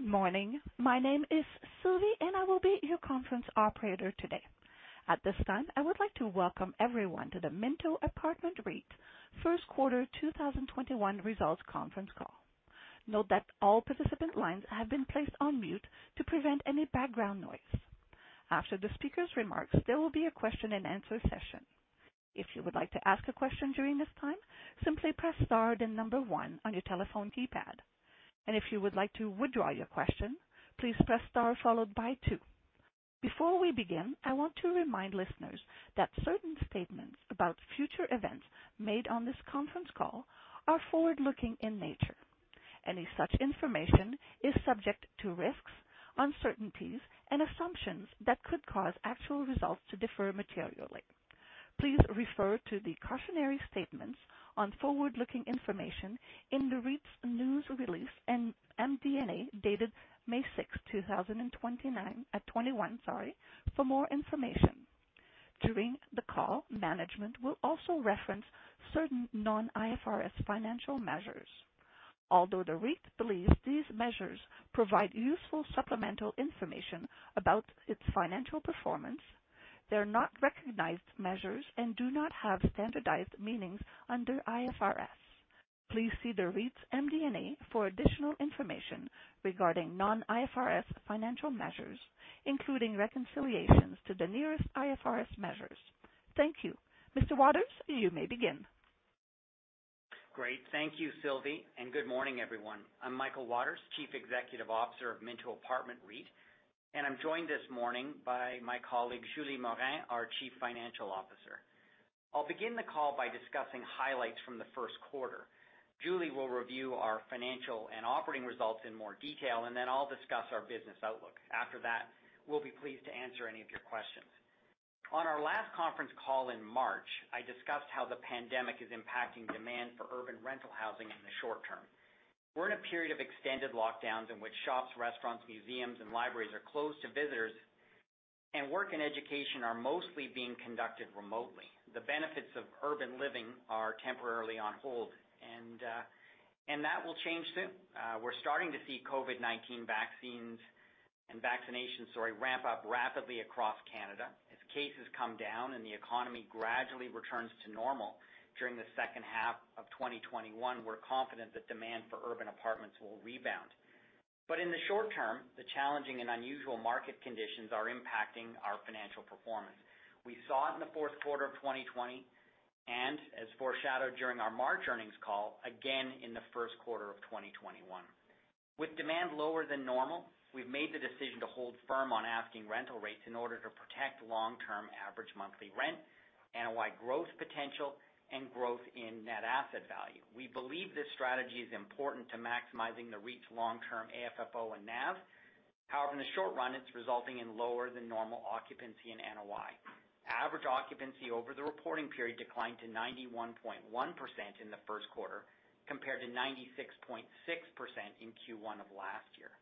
Good morning. My name is Sylvie, I will be your conference operator today. At this time, I would like to welcome everyone to the Minto Apartment REIT first quarter 2021 results conference call. Note that all participant lines have been placed on mute to prevent any background noise. After the speaker's remarks, there will be a question and answer session. If you would like to ask a question during this time, simply press star then number one on your telephone keypad. If you would like to withdraw your question, please press star followed by two. Before we begin, I want to remind listeners that certain statements about future events made on this conference call are forward-looking in nature. Any such information is subject to risks, uncertainties, and assumptions that could cause actual results to differ materially. Please refer to the cautionary statements on forward-looking information in the REIT's news release and MD&A, dated May 6th, 2021, for more information. During the call, management will also reference certain non-IFRS financial measures. Although the REIT believes these measures provide useful supplemental information about its financial performance, they're not recognized measures and do not have standardized meanings under IFRS. Please see the REIT's MD&A for additional information regarding non-IFRS financial measures, including reconciliations to the nearest IFRS measures. Thank you. Mr. Waters, you may begin. Great. Thank you, Sylvie, and good morning, everyone. I'm Michael Waters, Chief Executive Officer of Minto Apartment REIT, and I'm joined this morning by my colleague, Julie Morin, our Chief Financial Officer. I'll begin the call by discussing highlights from the first quarter. Julie will review our financial and operating results in more detail, and then I'll discuss our business outlook. After that, we'll be pleased to answer any of your questions. On our last conference call in March, I discussed how the pandemic is impacting demand for urban rental housing in the short term. We're in a period of extended lockdowns in which shops, restaurants, museums, and libraries are closed to visitors, and work and education are mostly being conducted remotely. The benefits of urban living are temporarily on hold, and that will change soon. We're starting to see COVID-19 vaccines and vaccinations, sorry, ramp up rapidly across Canada. Cases come down and the economy gradually returns to normal during the second half of 2021, we're confident that demand for urban apartments will rebound. In the short term, the challenging and unusual market conditions are impacting our financial performance. We saw it in the fourth quarter of 2020, and as foreshadowed during our March earnings call, again in the first quarter of 2021. With demand lower than normal, we've made the decision to hold firm on asking rental rates in order to protect long-term average monthly rent, NOI growth potential, and growth in net asset value. We believe this strategy is important to maximizing the REIT's long-term AFFO and NAV. However, in the short run, it's resulting in lower than normal occupancy in NOI. Average occupancy over the reporting period declined to 91.1% in the first quarter, compared to 96.6% in Q1 of last year.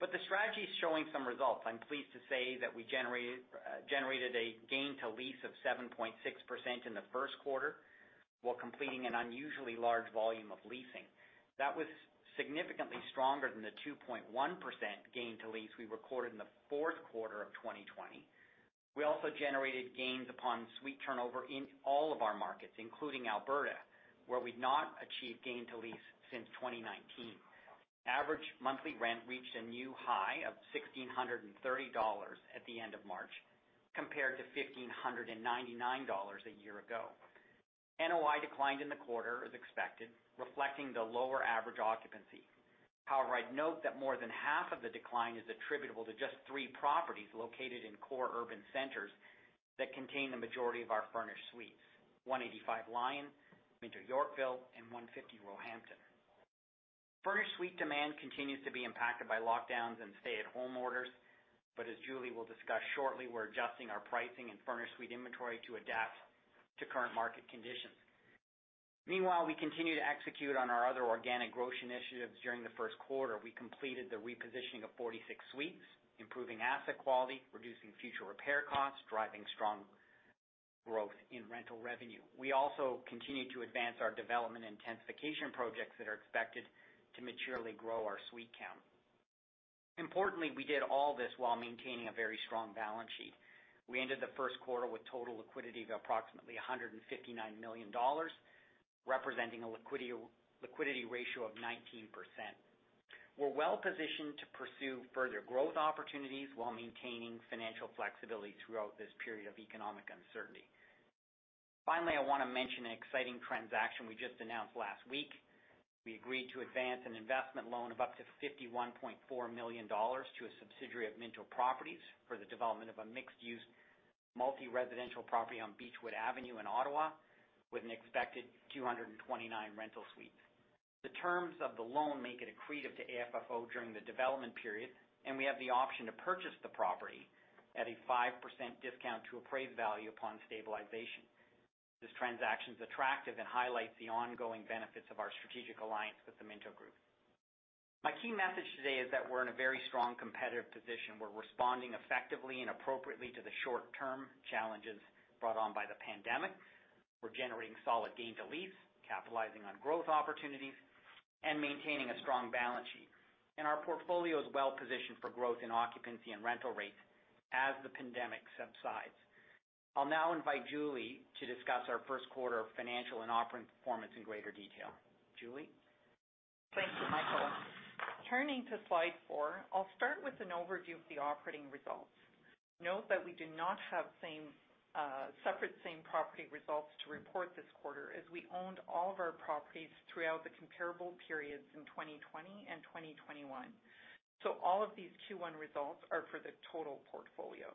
The strategy is showing some results. I'm pleased to say that we generated a gain to lease of 7.6% in the first quarter while completing an unusually large volume of leasing. That was significantly stronger than the 2.1% gain to lease we recorded in the fourth quarter of 2020. We also generated gains upon suite turnover in all of our markets, including Alberta, where we've not achieved gain to lease since 2019. Average monthly rent reached a new high of 1,630 dollars at the end of March, compared to 1,599 dollars a year ago. NOI declined in the quarter as expected, reflecting the lower average occupancy. However, I'd note that more than half of the decline is attributable to just three properties located in core urban centers that contain the majority of our furnished suites: 185 Lyon, Minto Yorkville, and 150 Roehampton. Furnished suite demand continues to be impacted by lockdowns and stay-at-home orders. As Julie will discuss shortly, we're adjusting our pricing and furnished suite inventory to adapt to current market conditions. Meanwhile, we continue to execute on our other organic growth initiatives during the first quarter. We completed the repositioning of 46 suites, improving asset quality, reducing future repair costs, driving strong growth in rental revenue. We also continue to advance our development intensification projects that are expected to maturely grow our suite count. Importantly, we did all this while maintaining a very strong balance sheet. We ended the first quarter with total liquidity of approximately 159 million dollars, representing a liquidity ratio of 19%. We're well-positioned to pursue further growth opportunities while maintaining financial flexibility throughout this period of economic uncertainty. Finally, I want to mention an exciting transaction we just announced last week. We agreed to advance an investment loan of up to 51.4 million dollars to a subsidiary of Minto Properties for the development of a mixed-use multi-residential property on Beechwood Avenue in Ottawa with an expected 229 rental suites. The terms of the loan make it accretive to AFFO during the development period, and we have the option to purchase the property at a 5% discount to appraised value upon stabilization. This transaction is attractive and highlights the ongoing benefits of our strategic alliance with the Minto Group. My key message today is that we're in a very strong competitive position. We're responding effectively and appropriately to the short-term challenges brought on by the pandemic. We're generating solid gain to lease, capitalizing on growth opportunities, and maintaining a strong balance sheet. Our portfolio is well-positioned for growth in occupancy and rental rates as the pandemic subsides. I'll now invite Julie to discuss our first quarter financial and operating performance in greater detail. Julie? Thank you, Michael. Turning to slide four, I will start with an overview of the operating results. Note that we do not have separate same-property results to report this quarter, as we owned all of our properties throughout the comparable periods in 2020 and 2021. All of these Q1 results are for the total portfolio.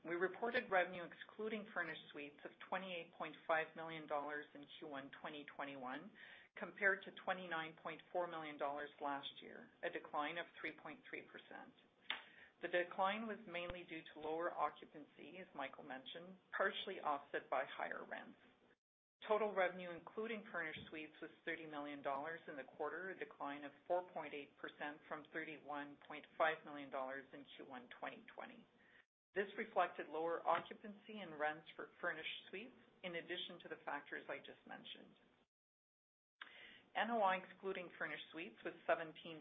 We reported revenue excluding furnished suites of 28.5 million dollars in Q1 2021, compared to 29.4 million dollars last year, a decline of 3.3%. The decline was mainly due to lower occupancy, as Michael mentioned, partially offset by higher rents. Total revenue, including furnished suites, was 30 million dollars in the quarter, a decline of 4.8% from 31.5 million dollars in Q1 2020. This reflected lower occupancy and rents for furnished suites, in addition to the factors I just mentioned. NOI excluding furnished suites was 17.3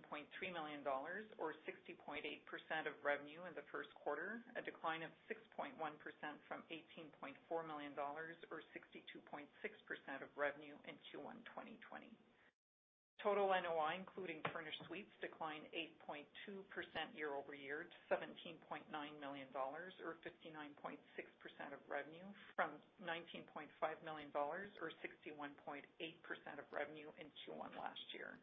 million dollars, or 60.8% of revenue in the first quarter, a decline of 6.1% from 18.4 million dollars, or 62.6% of revenue in Q1 2020. Total NOI, including furnished suites, declined 8.2% year-over-year to 17.9 million dollars, or 59.6% of revenue from 19.5 million dollars, or 61.8% of revenue in Q1 last year.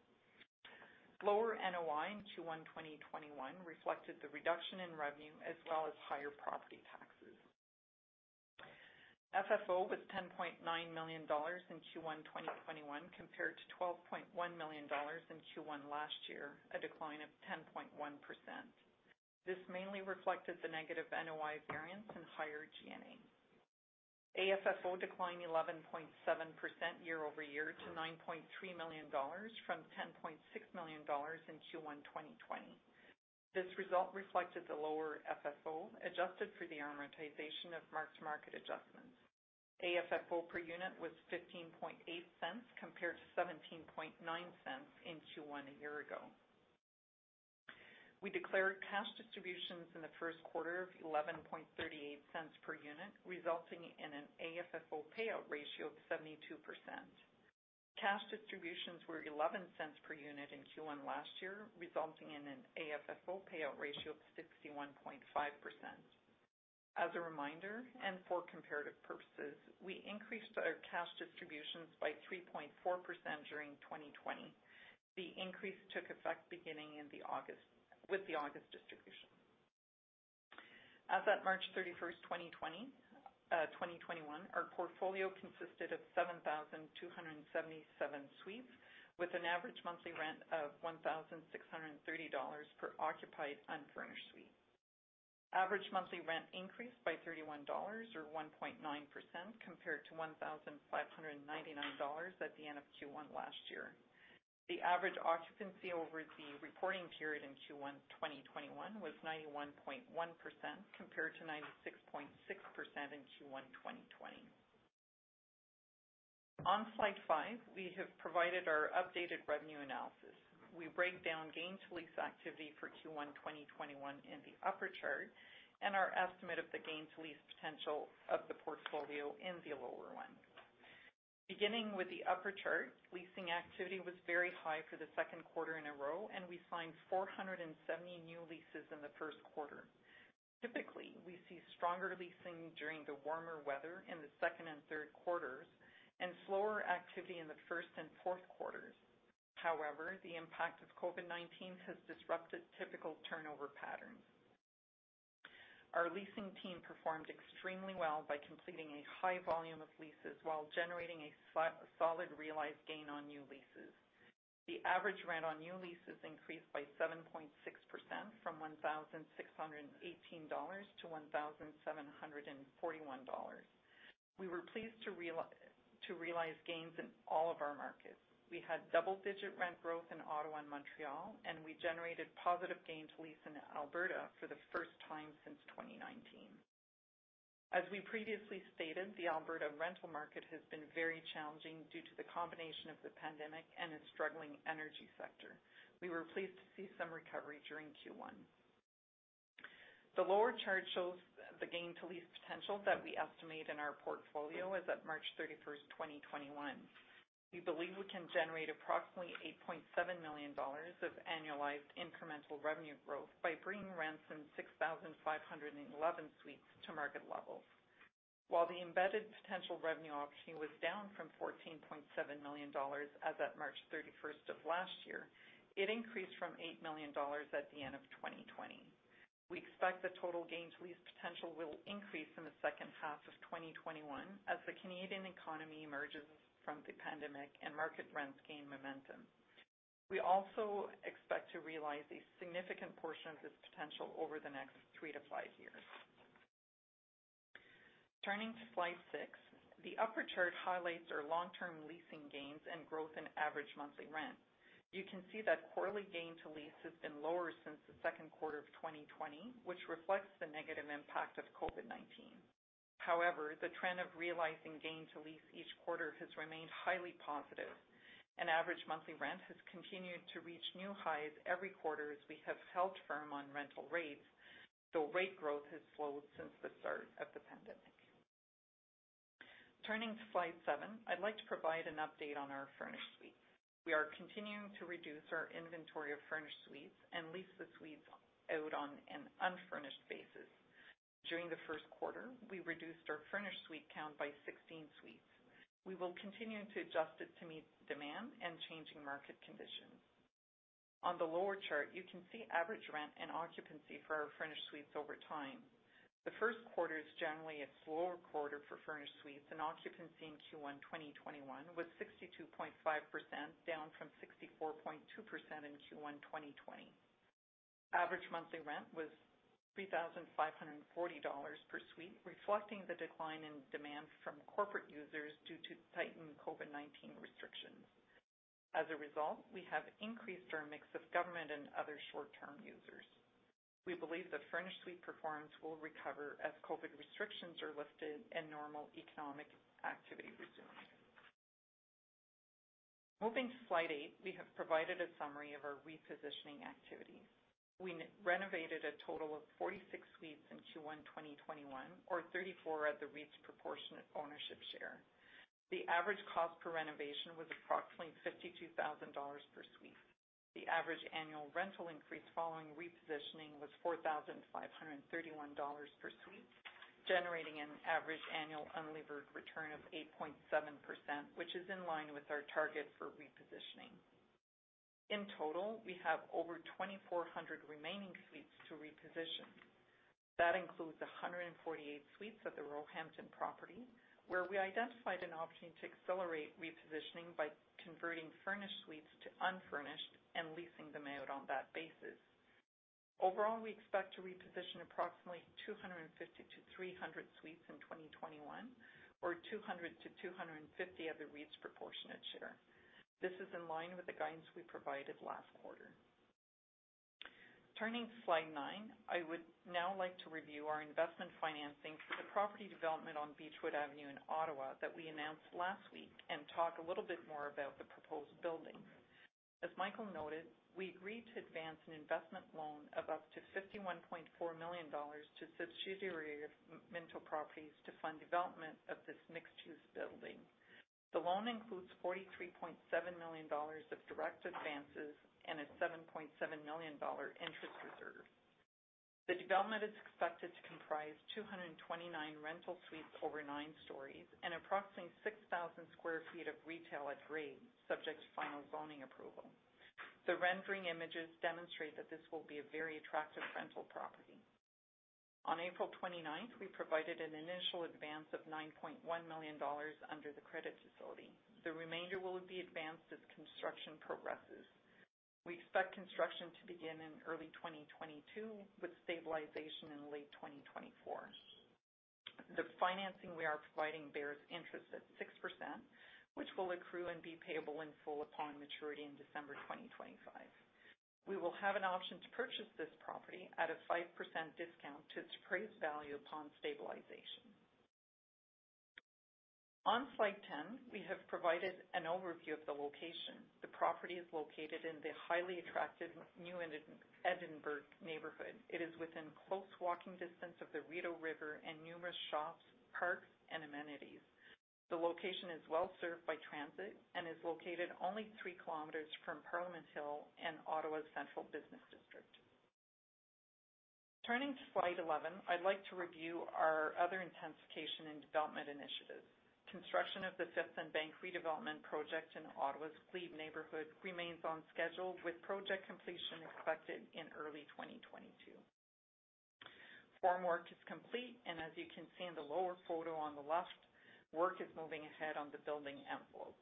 Lower NOI in Q1 2021 reflected the reduction in revenue as well as higher property taxes. FFO was 10.9 million dollars in Q1 2021, compared to 12.1 million dollars in Q1 last year, a decline of 10.1%. This mainly reflected the negative NOI variance and higher G&A. AFFO declined 11.7% year-over-year to 9.3 million dollars from 10.6 million dollars in Q1 2020. This result reflected the lower FFO, adjusted for the amortization of mark-to-market adjustments. AFFO per unit was 0.158 compared to 0.179 in Q1 a year ago. We declared cash distributions in the first quarter of 0.1138 per unit, resulting in an AFFO payout ratio of 72%. Cash distributions were 0.11 per unit in Q1 last year, resulting in an AFFO payout ratio of 61.5%. As a reminder, and for comparative purposes, we increased our cash distributions by 3.4% during 2020. The increase took effect beginning with the August distribution. As of March 31st, 2021, our portfolio consisted of 7,277 suites with an average monthly rent of 1,630 dollars per occupied unfurnished suite. Average monthly rent increased by 31 dollars, or 1.9%, compared to 1,599 dollars at the end of Q1 last year. The average occupancy over the reporting period in Q1 2021 was 91.1%, compared to 96.6% in Q1 2020. On slide five, we have provided our updated revenue analysis. We break down gain to lease activity for Q1 2021 in the upper chart, and our estimate of the gain to lease potential of the portfolio in the lower one. Beginning with the upper chart, leasing activity was very high for the second quarter in a row, we signed 470 new leases in the first quarter. Typically, we see stronger leasing during the warmer weather in the second and third quarters, and slower activity in the first and fourth quarters. However, the impact of COVID-19 has disrupted typical turnover patterns. Our leasing team performed extremely well by completing a high volume of leases while generating a solid realized gain on new leases. The average rent on new leases increased by 7.6%, from 1,618 dollars to 1,741 dollars. We were pleased to realize gains in all of our markets. We had double-digit rent growth in Ottawa and Montreal, and we generated positive gain to lease in Alberta for the first time since 2019. As we previously stated, the Alberta rental market has been very challenging due to the combination of the pandemic and a struggling energy sector. We were pleased to see some recovery during Q1. The lower chart shows the gain to lease potential that we estimate in our portfolio as at March 31st, 2021. We believe we can generate approximately 8.7 million dollars of annualized incremental revenue growth by bringing rents in 6,511 suites to market level. While the embedded potential revenue opportunity was down from 14.7 million dollars as at March 31st of last year, it increased from 8 million dollars at the end of 2020. We expect the total gain to lease potential will increase in the second half of 2021 as the Canadian economy emerges from the pandemic and market rents gain momentum. We also expect to realize a significant portion of this potential over the next three to five years. Turning to slide six, the upper chart highlights our long-term leasing gains and growth in average monthly rent. You can see that quarterly gain to lease has been lower since the second quarter of 2020, which reflects the negative impact of COVID-19. However, the trend of realizing gain to lease each quarter has remained highly positive, and average monthly rent has continued to reach new highs every quarter as we have held firm on rental rates, though rate growth has slowed since the start of the pandemic. Turning to slide seven, I'd like to provide an update on our furnished suites. We are continuing to reduce our inventory of furnished suites and lease the suites out on an unfurnished basis. During the first quarter, we reduced our furnished suite count by 16 suites. We will continue to adjust it to meet demand and changing market conditions. On the lower chart, you can see average rent and occupancy for our furnished suites over time. The first quarter is generally a slower quarter for furnished suites, and occupancy in Q1 2021 was 62.5%, down from 64.2% in Q1 2020. Average monthly rent was 3,540 dollars per suite, reflecting the decline in demand from corporate users due to tightened COVID-19 restrictions. As a result, we have increased our mix of government and other short-term users. We believe the furnished suite performance will recover as COVID restrictions are lifted and normal economic activity resumes. Moving to slide eight, we have provided a summary of our repositioning activities. We renovated a total of 46 suites in Q1 2021 or 34 at the REIT's proportionate ownership share. The average cost per renovation was approximately 52,000 dollars per suite. The average annual rental increase following repositioning was 4,531 dollars per suite, generating an average annual unlevered return of 8.7%, which is in line with our target for repositioning. In total, we have over 2,400 remaining suites to reposition. That includes 148 suites at the Roehampton property, where we identified an opportunity to accelerate repositioning by converting furnished suites to unfurnished and leasing them out on that basis. Overall, we expect to reposition approximately 250-300 suites in 2021, or 200-250 at the REIT's proportionate share. This is in line with the guidance we provided last quarter. Turning to slide nine, I would now like to review our investment financing for the property development on Beechwood Avenue in Ottawa that we announced last week and talk a little bit more about the proposed building. As Michael noted, we agreed to advance an investment loan of up to 51.4 million dollars to a subsidiary of Minto Properties to fund development of this mixed-use building. The loan includes 43.7 million dollars of direct advances and a 7.7 million dollar interest reserve. The development is expected to comprise 229 rental suites over nine stories and approximately 6,000 sq ft of retail at grade, subject to final zoning approval. The rendering images demonstrate that this will be a very attractive rental property. On April 29th, we provided an initial advance of 9.1 million dollars under the credit facility. The remainder will be advanced as construction progresses. We expect construction to begin in early 2022, with stabilization in late 2024. The financing we are providing bears interest at 6%, which will accrue and be payable in full upon maturity in December 2025. We will have an option to purchase this property at a 5% discount to its appraised value upon stabilization. On slide 10, we have provided an overview of the location. The property is located in the highly attractive New Edinburgh neighborhood. It is within close walking distance of the Rideau River and numerous shops, parks, and amenities. The location is well-served by transit and is located only three kilometers from Parliament Hill and Ottawa's central business district. Turning to slide 11, I'd like to review our other intensification and development initiatives. Construction of the Fifth and Bank redevelopment project in Ottawa's Glebe neighborhood remains on schedule, with project completion expected in early 2022. Formwork is complete. As you can see in the lower photo on the left, work is moving ahead on the building envelope.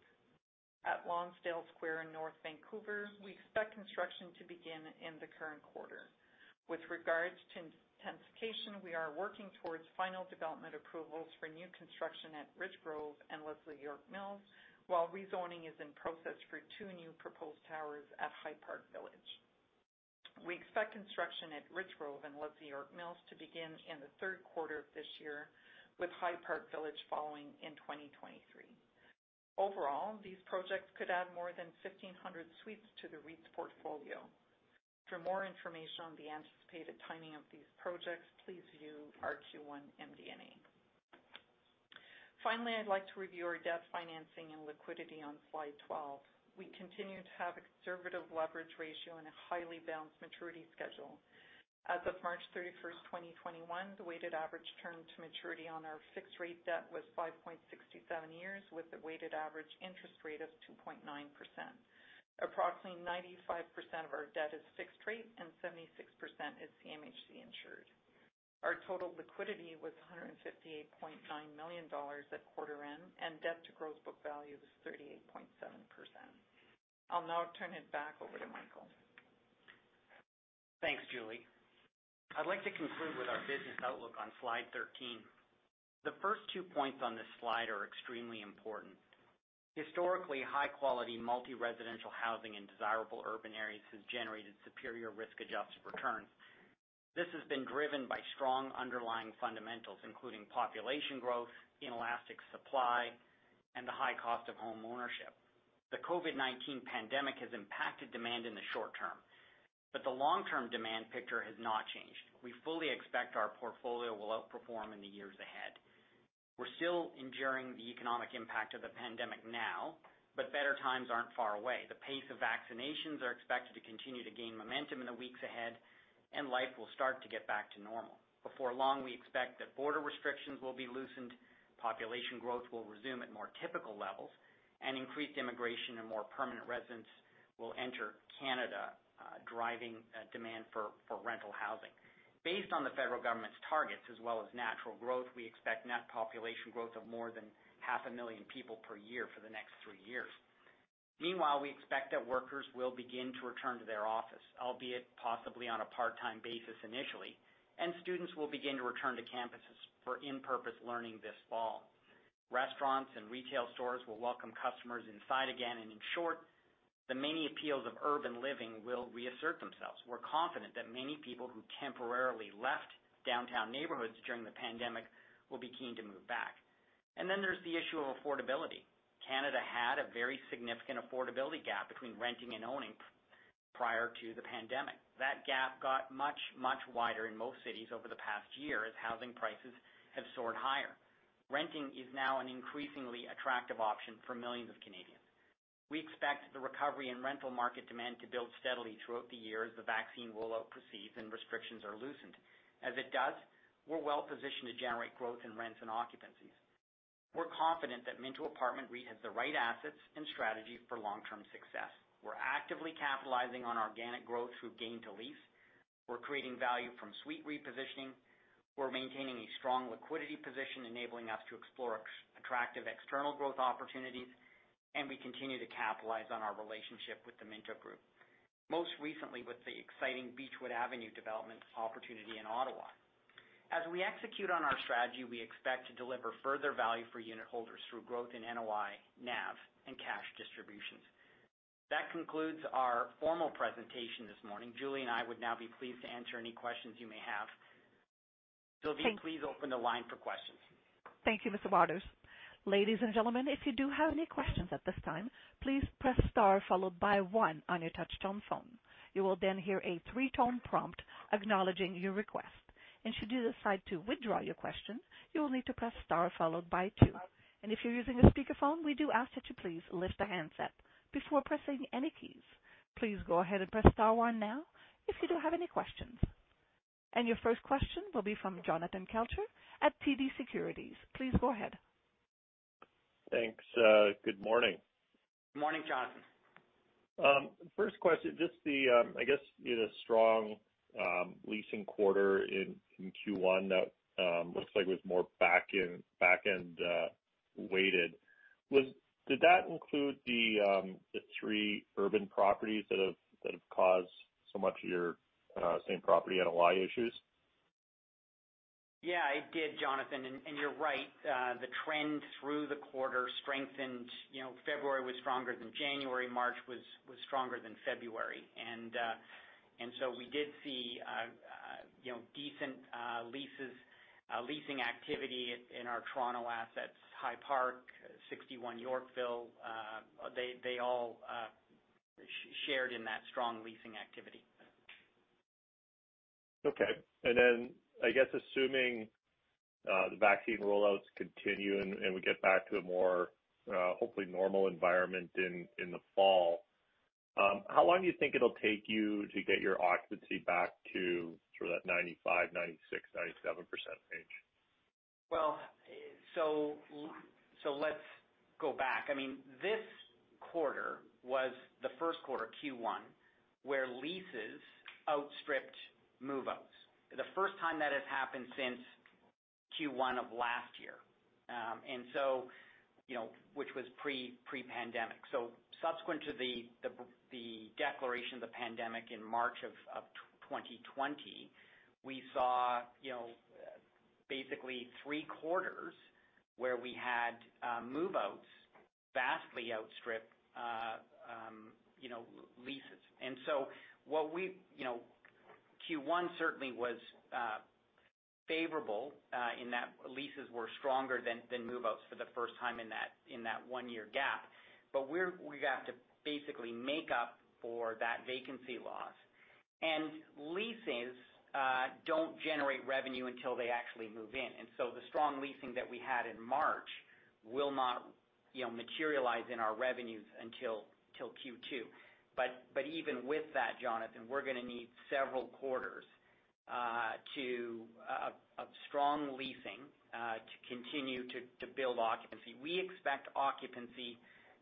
At Lonsdale Square in North Vancouver, we expect construction to begin in the current quarter. With regards to intensification, we are working towards final development approvals for new construction at Richgrove and Leslie York Mills, while rezoning is in process for two new proposed towers at High Park Village. We expect construction at Richgrove and Leslie York Mills to begin in the third quarter of this year, with High Park Village following in 2023. Overall, these projects could add more than 1,500 suites to the REIT's portfolio. For more information on the anticipated timing of these projects, please view our Q1 MD&A. Finally, I'd like to review our debt financing and liquidity on slide 12. We continue to have a conservative leverage ratio and a highly balanced maturity schedule. As of March 31st, 2021, the weighted average term to maturity on our fixed-rate debt was 5.67 years with a weighted average interest rate of 2.9%. Approximately 95% of our debt is fixed rate and 76% is CMHC insured. Our total liquidity was 158.9 million dollars at quarter end, and debt to gross book value was 38.7%. I'll now turn it back over to Michael. Thanks, Julie. I'd like to conclude with our business outlook on slide 13. The first two points on this slide are extremely important. Historically, high-quality multi-residential housing in desirable urban areas has generated superior risk-adjusted returns. This has been driven by strong underlying fundamentals, including population growth, inelastic supply, and the high cost of home ownership. The COVID-19 pandemic has impacted demand in the short term, but the long-term demand picture has not changed. We fully expect our portfolio will outperform in the years ahead. We're still enduring the economic impact of the pandemic now, but better times aren't far away. The pace of vaccinations are expected to continue to gain momentum in the weeks ahead, and life will start to get back to normal. Before long, we expect that border restrictions will be loosened, population growth will resume at more typical levels, and increased immigration and more permanent residents will enter Canada, driving demand for rental housing. Based on the federal government's targets as well as natural growth, we expect net population growth of more than half a million people per year for the next three years. Meanwhile, we expect that workers will begin to return to their office, albeit possibly on a part-time basis initially, and students will begin to return to campuses for in-person learning this fall. Restaurants and retail stores will welcome customers inside again. In short, the many appeals of urban living will reassert themselves. We're confident that many people who temporarily left downtown neighborhoods during the pandemic will be keen to move back. Then there's the issue of affordability. Canada had a very significant affordability gap between renting and owning prior to the pandemic. That gap got much, much wider in most cities over the past year as housing prices have soared higher. Renting is now an increasingly attractive option for millions of Canadians. We expect the recovery in rental market demand to build steadily throughout the year as the vaccine rollout proceeds and restrictions are loosened. As it does, we're well-positioned to generate growth in rents and occupancies. We're confident that Minto Apartment REIT has the right assets and strategy for long-term success. We're actively capitalizing on organic growth through gain to lease. We're creating value from suite repositioning. We're maintaining a strong liquidity position, enabling us to explore attractive external growth opportunities. We continue to capitalize on our relationship with the Minto Group, most recently with the exciting Beechwood Avenue development opportunity in Ottawa. As we execute on our strategy, we expect to deliver further value for unitholders through growth in NOI, NAV, and cash distributions. That concludes our formal presentation this morning. Julie and I would now be pleased to answer any questions you may have. Sylvie, please open the line for questions. Thank you, Mr. Waters. Ladies and gentlemen, if you do have any questions at this time, please press star followed by one on your touch-tone phone. You will then hear a three-tone prompt acknowledging your request. Should you decide to withdraw your question, you will need to press star followed by two. If you're using a speakerphone, we do ask that you please lift the handset before pressing any keys. Please go ahead and press star one now if you do have any questions. Your first question will be from Jonathan Kelcher at TD Securities. Please go ahead. Thanks. Good morning. Morning, Jonathan. First question. Just the, I guess, the strong leasing quarter in Q1 that looks like it was more back-end weighted, did that include the three urban properties that have caused so much of your same property NOI issues? Yeah, it did, Jonathan, and you're right. The trend through the quarter strengthened. February was stronger than January. March was stronger than February. We did see decent leasing activity in our Toronto assets, High Park, 61 Yorkville. They all shared in that strong leasing activity. Okay. I guess assuming the vaccine rollouts continue, and we get back to a more, hopefully, normal environment in the fall, how long do you think it'll take you to get your occupancy back to that 95%, 96%, 97% range? Let's go back. This quarter was the first quarter, Q1, where leases outstripped move-outs. The first time that has happened since Q1 of last year, which was pre-pandemic. Subsequent to the declaration of the pandemic in March of 2020, we saw basically three quarters where we had move-outs vastly outstrip leases. Q1 certainly was favorable in that leases were stronger than move-outs for the first time in that one-year gap. We have to basically make up for that vacancy loss. Leases don't generate revenue until they actually move in. The strong leasing that we had in March will not materialize in our revenues until Q2. Even with that, Jonathan, we're going to need several quarters of strong leasing to continue to build occupancy. We expect occupancy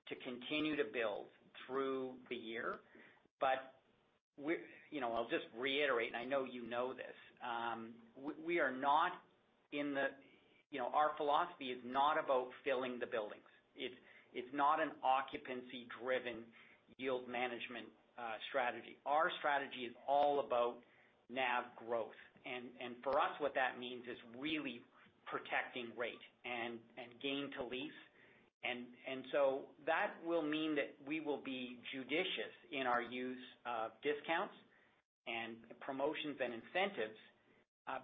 to continue to build through the year. I'll just reiterate, and I know you know this. We are not in our philosophy is not about filling the buildings. It's not an occupancy-driven yield management strategy. Our strategy is all about NAV growth. For us, what that means is really protecting rate and gain to lease. That will mean that we will be judicious in our use of discounts and promotions and incentives,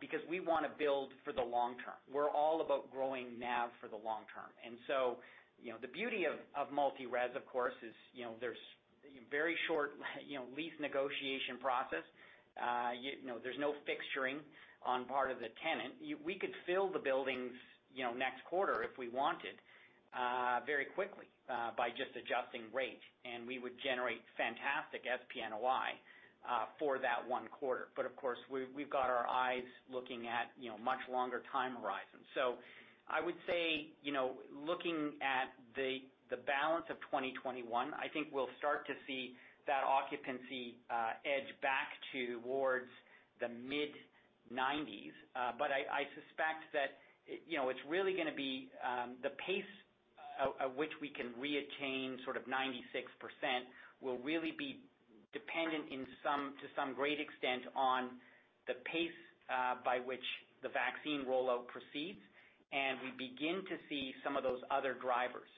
because we want to build for the long term. We're all about growing NAV for the long term. The beauty of multi-res, of course, is there's very short lease negotiation process. There's no fixturing on part of the tenant. We could fill the buildings, next quarter if we wanted, very quickly, by just adjusting rate. We would generate fantastic SPNOI for that one quarter. Of course, we've got our eyes looking at much longer time horizons. I would say, looking at the balance of 2021, I think we'll start to see that occupancy edge back towards the mid-90s. I suspect that it's really going to be the pace at which we can reattain sort of 96% will really be dependent to some great extent on the pace by which the vaccine rollout proceeds. We begin to see some of those other drivers,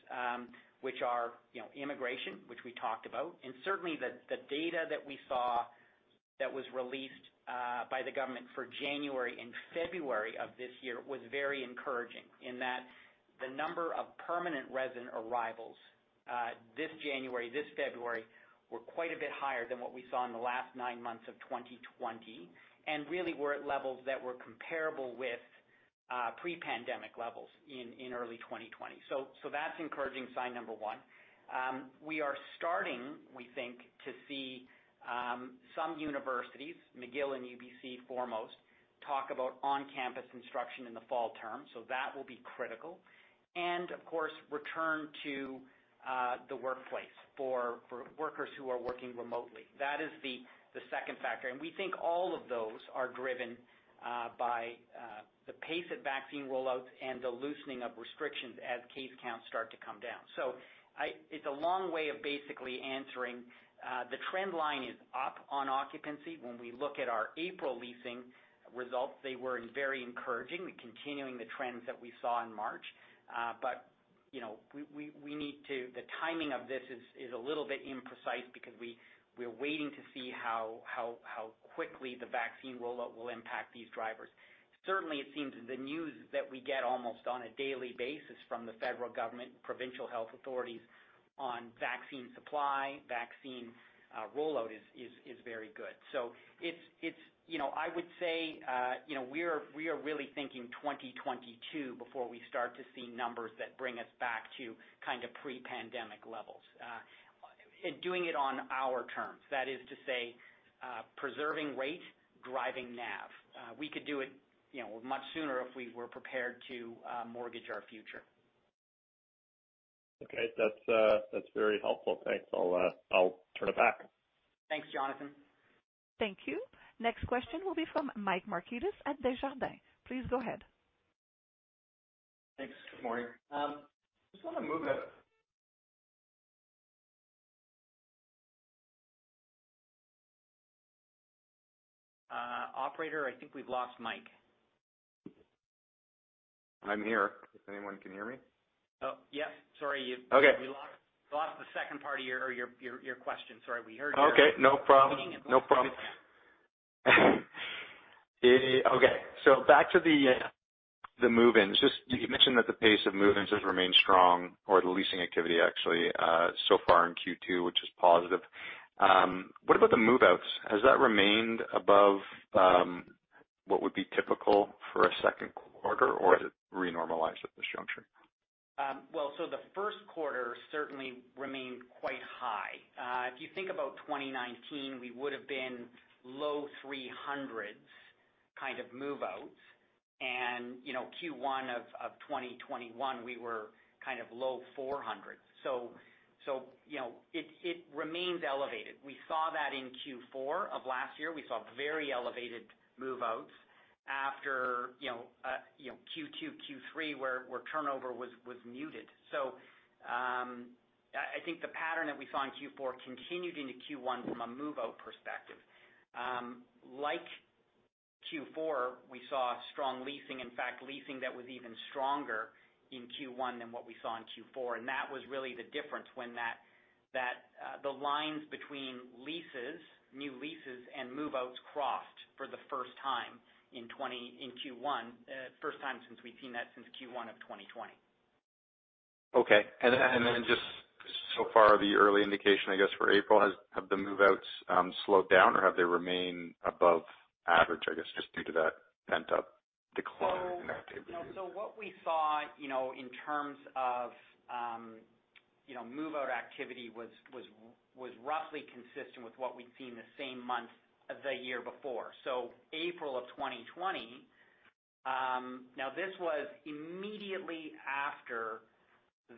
which are immigration, which we talked about. Certainly the data that we saw that was released by the government for January and February of this year was very encouraging in that the number of permanent resident arrivals this January, this February, were quite a bit higher than what we saw in the last nine months of 2020. Really were at levels that were comparable with pre-pandemic levels in early 2020. That's encouraging sign number one. We are starting, we think, to see some universities, McGill and UBC foremost, talk about on-campus instruction in the fall term. That will be critical. Of course, return to the workplace for workers who are working remotely. That is the second factor. We think all of those are driven by the pace of vaccine rollouts and the loosening of restrictions as case counts start to come down. It's a long way of basically answering. The trend line is up on occupancy. When we look at our April leasing results, they were very encouraging, continuing the trends that we saw in March. The timing of this is a little bit imprecise because we're waiting to see how quickly the vaccine rollout will impact these drivers. Certainly, it seems the news that we get almost on a daily basis from the federal government, provincial health authorities on vaccine supply, vaccine rollout is very good. I would say, we are really thinking 2022 before we start to see numbers that bring us back to kind of pre-pandemic levels. Doing it on our terms. That is to say, preserving rate, driving NAV. We could do it much sooner if we were prepared to mortgage our future. Okay. That's very helpful. Thanks. I'll turn it back. Thanks, Jonathan. Thank you. Next question will be from Mike Markidis at Desjardins. Please go ahead. Thanks. Good morning. Just want to move. Operator, I think we've lost Mike. I'm here, if anyone can hear me. Oh, yeah. Sorry. Okay. We lost the second part of your question. Sorry. Okay. No problem Beginning and lost the second. Okay. Back to the move-ins. You mentioned that the pace of move-ins has remained strong or the leasing activity actually, so far in Q2, which is positive. What about the move-outs? Has that remained above what would be typical for a second quarter, or has it renormalized at this juncture? Well, the first quarter certainly remained quite high. If you think about 2019, we would've been low 300s kind of move-outs. Q1 of 2021, we were kind of low 400s. It remains elevated. We saw that in Q4 of last year. We saw very elevated move-outs after Q2, Q3, where turnover was muted. I think the pattern that we saw in Q4 continued into Q1 from a move-out perspective. Like Q4, we saw strong leasing. In fact, leasing that was even stronger in Q1 than what we saw in Q4. That was really the difference when the lines between leases, new leases, and move-outs crossed for the first time in Q1. First time since we've seen that since Q1 of 2020. Okay. Just so far, the early indication, I guess, for April, have the move-outs slowed down or have they remained above average, I guess, just due to that pent-up decline in activity? What we saw in terms of move-out activity was roughly consistent with what we'd seen the same month of the year before. April of 2020. Now this was immediately after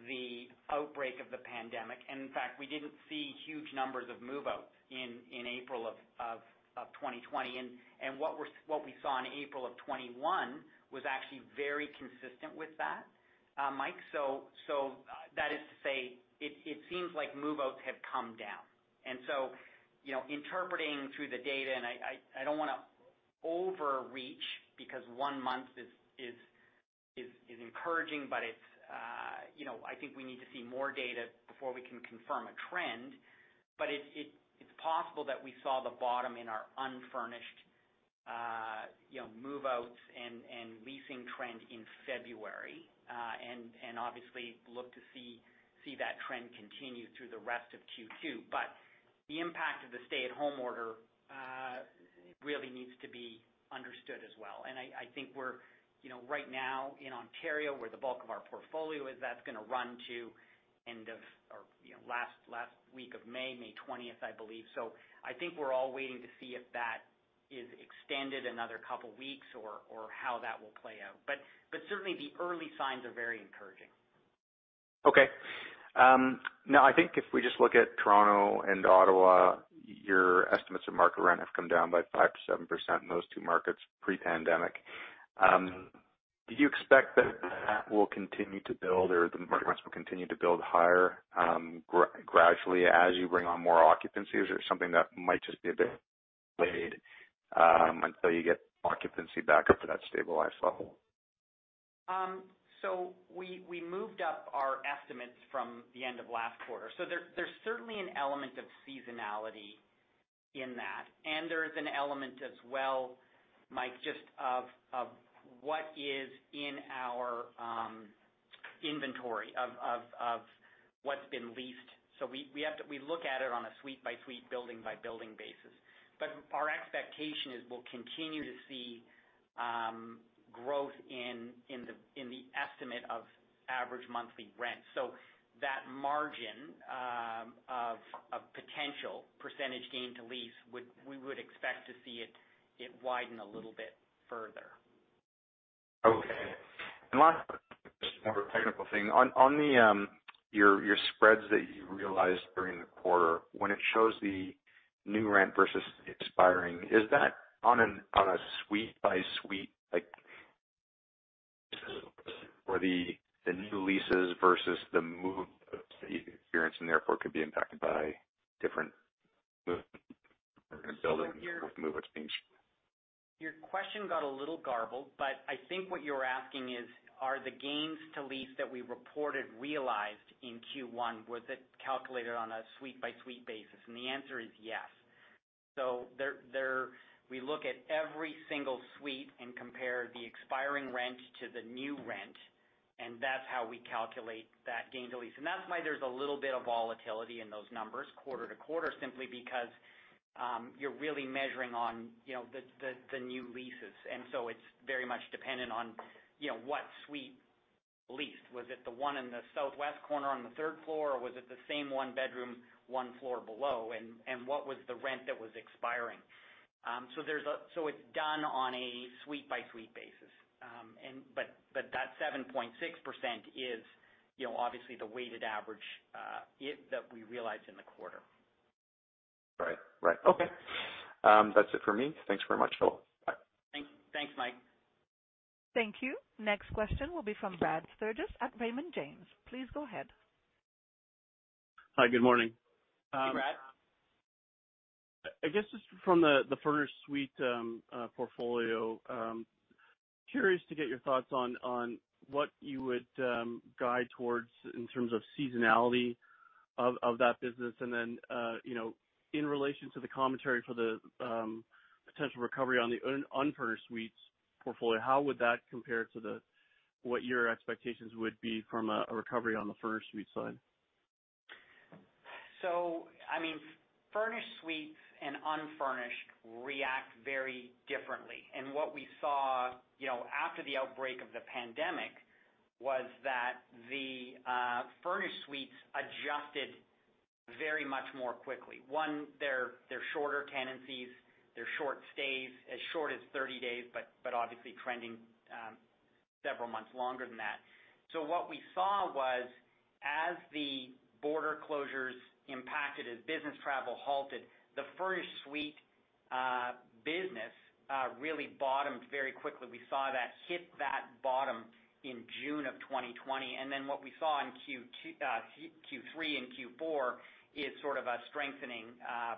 the outbreak of the pandemic. In fact, we didn't see huge numbers of move-outs in April of 2020. What we saw in April of 2021 was actually very consistent with that, Mike. That is to say, it seems like move-outs have come down. Interpreting through the data, and I don't want to overreach because one month is encouraging, but I think we need to see more data before we can confirm a trend. It's possible that we saw the bottom in our unfurnished move-outs and leasing trends in February. Obviously look to see that trend continue through the rest of Q2. The impact of the stay-at-home order really needs to be understood as well. I think we're right now in Ontario, where the bulk of our portfolio is, that's going to run to last week of May 20th, I believe. I think we're all waiting to see if that is extended another couple of weeks or how that will play out. Certainly the early signs are very encouraging. I think if we just look at Toronto and Ottawa, your estimates of market rent have come down by 5%-7% in those two markets pre-pandemic. Do you expect that that will continue to build, or the market rents will continue to build higher gradually as you bring on more occupancies or something that might just be a bit delayed until you get occupancy back up to that stabilized level? We moved up our estimates from the end of last quarter. There's certainly an element of seasonality in that. There's an element as well, Mike, just of what is in our inventory of what's been leased. We look at it on a suite-by-suite, building-by-building basis. Our expectation is we'll continue to see growth in the estimate of average monthly rent. That margin of potential percentage gain to lease, we would expect to see it widen a little bit further. Okay. Last, just one more technical thing. On your spreads that you realized during the quarter, when it shows the new rent versus the expiring, is that on a suite-by-suite, like for the new leases versus the move-outs that you're experiencing, therefore, could be impacted by different move-in or building? Your question got a little garbled, but I think what you're asking is, are the gains to lease that we reported realized in Q1, was it calculated on a suite-by-suite basis? The answer is yes. We look at every single suite and compare the expiring rent to the new rent, that's how we calculate that gain to lease. That's why there's a little bit of volatility in those numbers quarter to quarter, simply because you're really measuring on the new leases. It's very much dependent on what suite leased. Was it the one in the southwest corner on the third floor, or was it the same one-bedroom, one floor below? What was the rent that was expiring? It's done on a suite-by-suite basis. That 7.6% is obviously the weighted average that we realized in the quarter. Right. Okay. That's it for me. Thanks very much. Over. Thanks, Mike. Thank you. Next question will be from Brad Sturges at Raymond James. Please go ahead. Hi, good morning. Brad. I guess just from the furnished suite portfolio, curious to get your thoughts on what you would guide towards in terms of seasonality of that business. In relation to the commentary for the potential recovery on the unfurnished suites portfolio, how would that compare to what your expectations would be from a recovery on the furnished suite side? Furnished suites and unfurnished react very differently. What we saw after the outbreak of the pandemic was that the furnished suites adjusted very much more quickly. One, they're shorter tenancies, they're short stays, as short as 30 days, but obviously trending several months longer than that. What we saw was as the border closures impacted, as business travel halted, the furnished suite business really bottomed very quickly. We saw that hit that bottom in June of 2020. What we saw in Q3 and Q4 is sort of a strengthening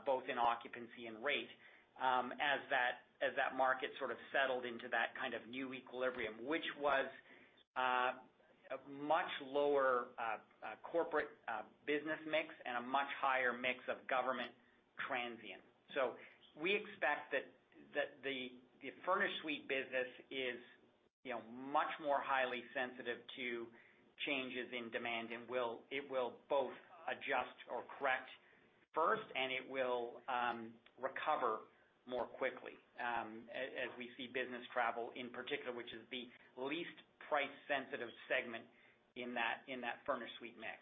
both in occupancy and rate as that market sort of settled into that kind of new equilibrium, which was a much lower corporate business mix and a much higher mix of government transient. We expect that the furnished suite business is much more highly sensitive to changes in demand and it will both adjust or correct first, and it will recover more quickly as we see business travel in particular, which is the least price-sensitive segment in that furnished suite mix.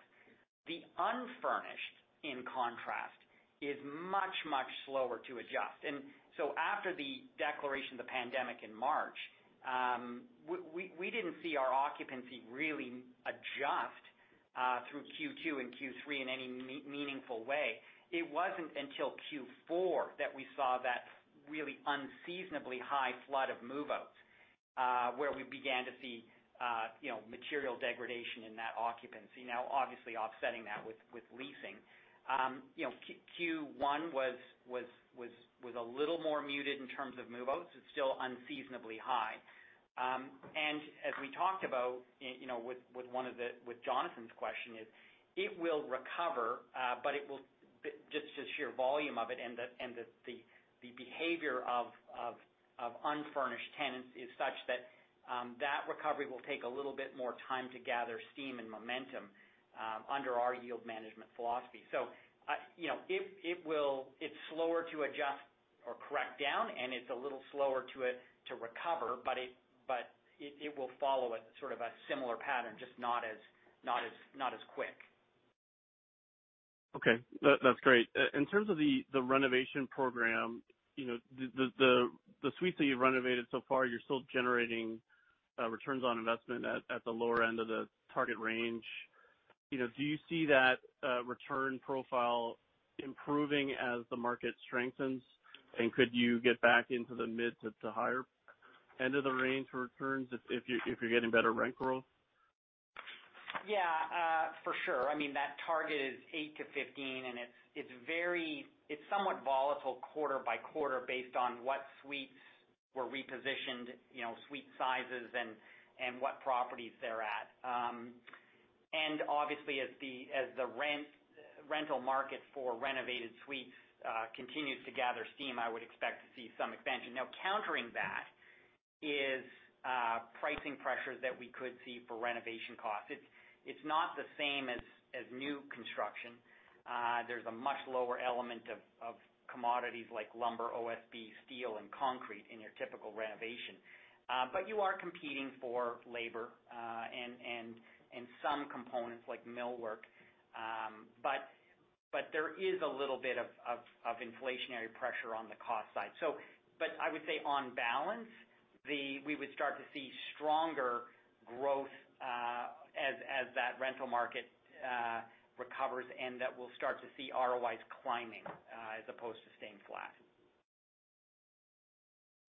The unfurnished, in contrast, is much, much slower to adjust. After the declaration of the pandemic in March, we didn't see our occupancy really adjust through Q2 and Q3 in any meaningful way. It wasn't until Q4 that we saw that really unseasonably high flood of move-outs, where we began to see material degradation in that occupancy. Obviously offsetting that with leasing. Q1 was a little more muted in terms of move-outs. It's still unseasonably high. As we talked about with Jonathan's question is, it will recover, but just the sheer volume of it and the behavior of unfurnished tenants is such that that recovery will take a little bit more time to gather steam and momentum under our yield management philosophy. It's slower to adjust or correct down, and it's a little slower to recover, but it will follow a similar pattern, just not as quick. Okay. That's great. In terms of the renovation program, the suites that you've renovated so far, you're still generating returns on investment at the lower end of the target range. Do you see that return profile improving as the market strengthens? Could you get back into the mid to the higher end of the range for returns if you're getting better rent growth? Yeah, for sure. That target is 8 to 15 and it's somewhat volatile quarter by quarter based on what suites were repositioned, suite sizes and what properties they're at. Obviously as the rental market for renovated suites continues to gather steam, I would expect to see some expansion. Now, countering that is pricing pressures that we could see for renovation costs. It's not the same as new construction. There's a much lower element of commodities like lumber, OSB, steel, and concrete in your typical renovation. You are competing for labor, and some components like millwork. There is a little bit of inflationary pressure on the cost side. I would say on balance, we would start to see stronger growth as that rental market recovers and that we'll start to see ROIs climbing as opposed to staying flat.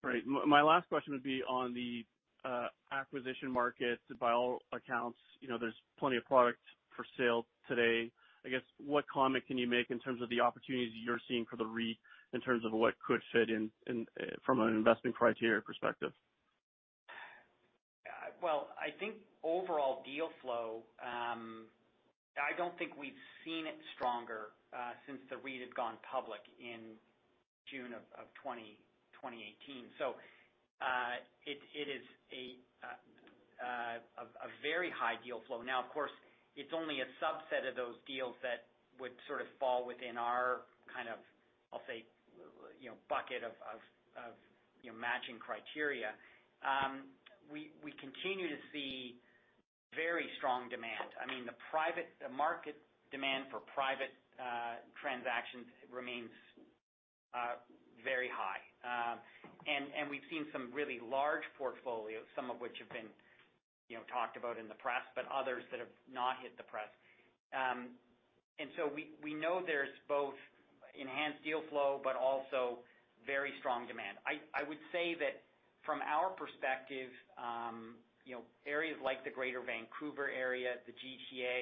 Right. My last question would be on the acquisition market. By all accounts, there's plenty of product for sale today. I guess, what comment can you make in terms of the opportunities that you're seeing for the REIT in terms of what could fit in from an investment criteria perspective? Well, I think overall deal flow, I don't think we've seen it stronger since the REIT had gone public in June of 2018. It is a very high deal flow. Now, of course, it's only a subset of those deals that would sort of fall within our kind of, I'll say, bucket of matching criteria. We continue to see very strong demand. The market demand for private transactions remains very high. We've seen some really large portfolios, some of which have been talked about in the press, but others that have not hit the press. We know there's both enhanced deal flow, but also very strong demand. I would say that from our perspective, areas like the Greater Vancouver Area, the GTA,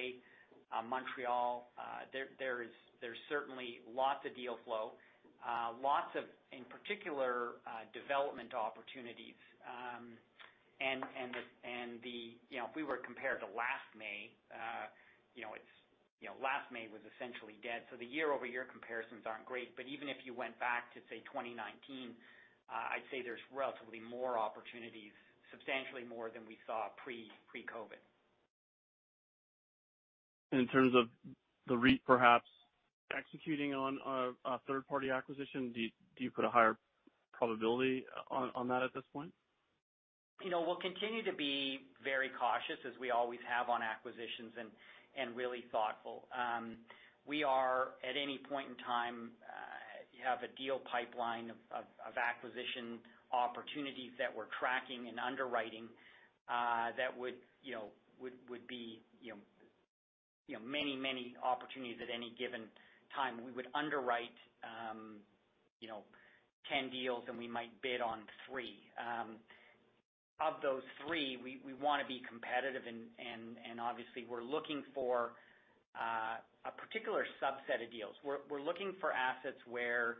Montreal, there's certainly lots of deal flow. Lots of, in particular, development opportunities. If we were compared to last May, last May was essentially dead. The year-over-year comparisons aren't great. Even if you went back to, say, 2019, I'd say there's relatively more opportunities, substantially more than we saw pre-COVID. In terms of the REIT perhaps executing on a third-party acquisition, do you put a higher probability on that at this point? We'll continue to be very cautious as we always have on acquisitions and really thoughtful. We are, at any point in time, have a deal pipeline of acquisition opportunities that we're tracking and underwriting that would be many opportunities at any given time. We would underwrite 10 deals and we might bid on three. Of those three, we want to be competitive and obviously we're looking for a particular subset of deals. We're looking for assets where